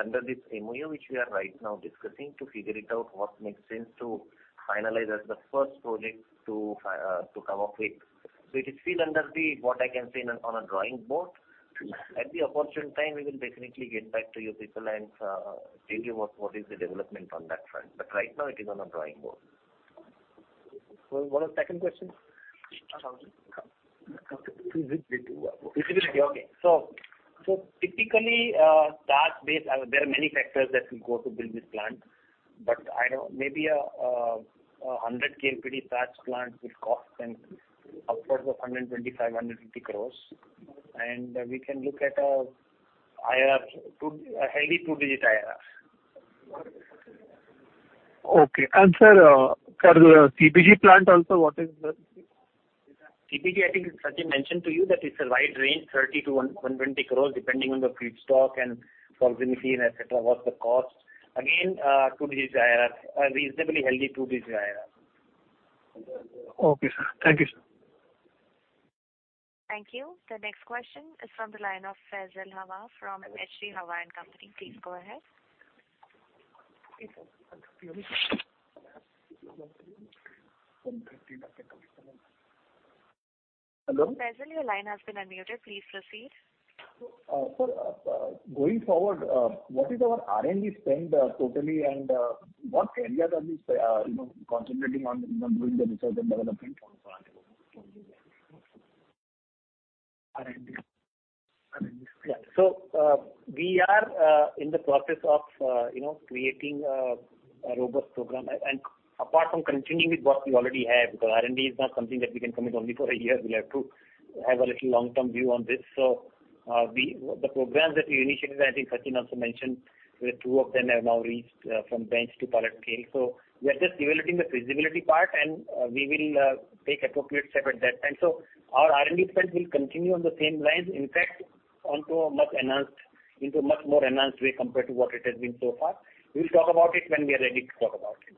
under this MOU, which we are right now discussing to figure it out what makes sense to finalize as the first project to come up with. It is still under the, what I can say, on a drawing board. At the opportune time, we will definitely get back to you people and tell you what is the development on that front. Right now it is on a drawing board. What was the second question? Sorry. Typically, starch-based, there are many factors that will go to build this plant. Maybe a 100 KLPD starch plant will cost upwards of 125 crores-150 crores. We can look at an IRR too, a healthy two-digit IRR. Okay. Sir, for the CBG plant also, what is the? CBG, I think Sachin mentioned to you that it's a wide range, 30 crore-120 crore, depending on the feedstock and proximity and et cetera, what's the cost. Again, two-digit IRR, a reasonably healthy two-digit IRR. Okay, sir. Thank you, sir. Thank you. The next question is from the line of Faisal Hawa from H.G. Hawa & Company. Please go ahead. Hello? Faisal, your line has been unmuted. Please proceed. Sir, going forward, what is our R&D spend, totally, and what areas are we, you know, concentrating on doing the research and development? R&D. Yeah, we are in the process of, you know, creating a robust program. Apart from continuing with what we already have, because R&D is not something that we can commit only for a year, we'll have to have a little long-term view on this. The programs that we initiated, I think Sachin also mentioned, where two of them have now reached from bench to pilot scale. We are just evaluating the feasibility part, and we will take appropriate step at that time. Our R&D spend will continue on the same lines, in fact into a much more enhanced way compared to what it has been so far. We'll talk about it when we are ready to talk about it.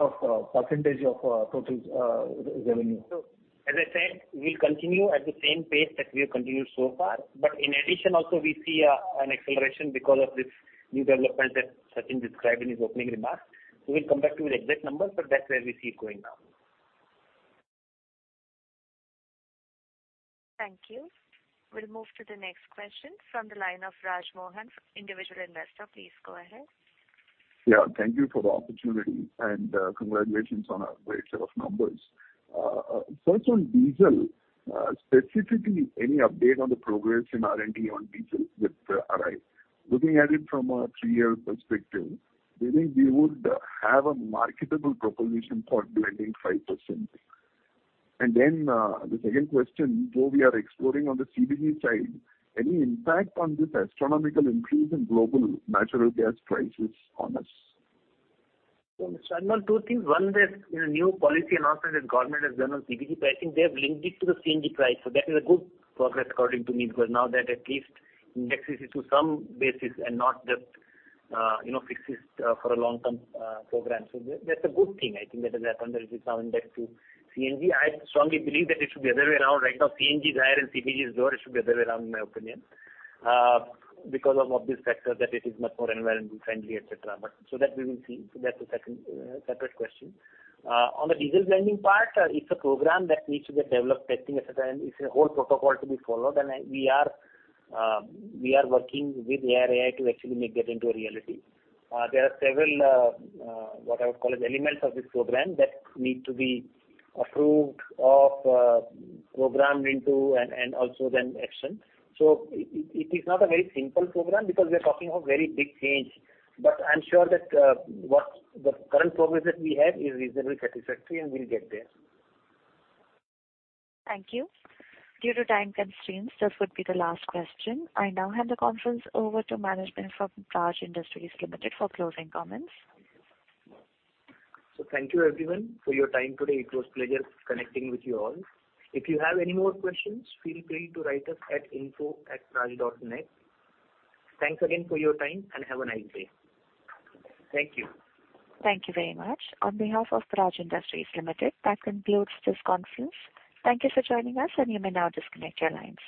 Of percentage of total revenue. As I said, we'll continue at the same pace that we have continued so far. In addition also we see an acceleration because of this new development that Sachin described in his opening remarks. We will come back to you with exact numbers, but that's where we see it going now. Thank you. We'll move to the next question from the line of Raj Mohan, Individual Investor. Please go ahead. Yeah, thank you for the opportunity, and, congratulations on a great set of numbers. First on diesel, specifically any update on the progress in R&D on diesel with ARAI? Looking at it from a three-year perspective, do you think we would have a marketable proposition for blending 5%? The second question, though we are exploring on the CBG side, any impact on this astronomical increase in global natural gas prices on us? Mr. Mohan, two things. One is, you know, new policy announcement that government has done on CBG. I think they have linked it to the CNG price. That is a good progress according to me, because now that at least indexes it to some basis and not just, you know, fixes for a long-term program. That's a good thing. I think that has happened, that it is now indexed to CNG. I strongly believe that it should be other way around. Right now, CNG is higher and CBG is lower. It should be other way around, in my opinion because of obvious factors that it is much more environment friendly, et cetera that we will see. That's a second separate question. On the diesel blending part, it's a program that needs to get developed, testing, et cetera, and it's a whole protocol to be followed. We are working with ARAI to actually make that into a reality. There are several what I would call as elements of this program that need to be approved of, programmed into and also then actioned. It is not a very simple program because we are talking of very big change. I'm sure that what the current progress that we have is reasonably satisfactory and we'll get there. Thank you. Due to time constraints, this would be the last question. I now hand the conference over to management from Praj Industries Limited for closing comments. Thank you everyone for your time today. It was a pleasure connecting with you all. If you have any more questions, feel free to write us at info@praj.net. Thanks again for your time and have a nice day. Thank you. Thank you very much. On behalf of Praj Industries Limited, that concludes this conference. Thank you for joining us, and you may now disconnect your lines.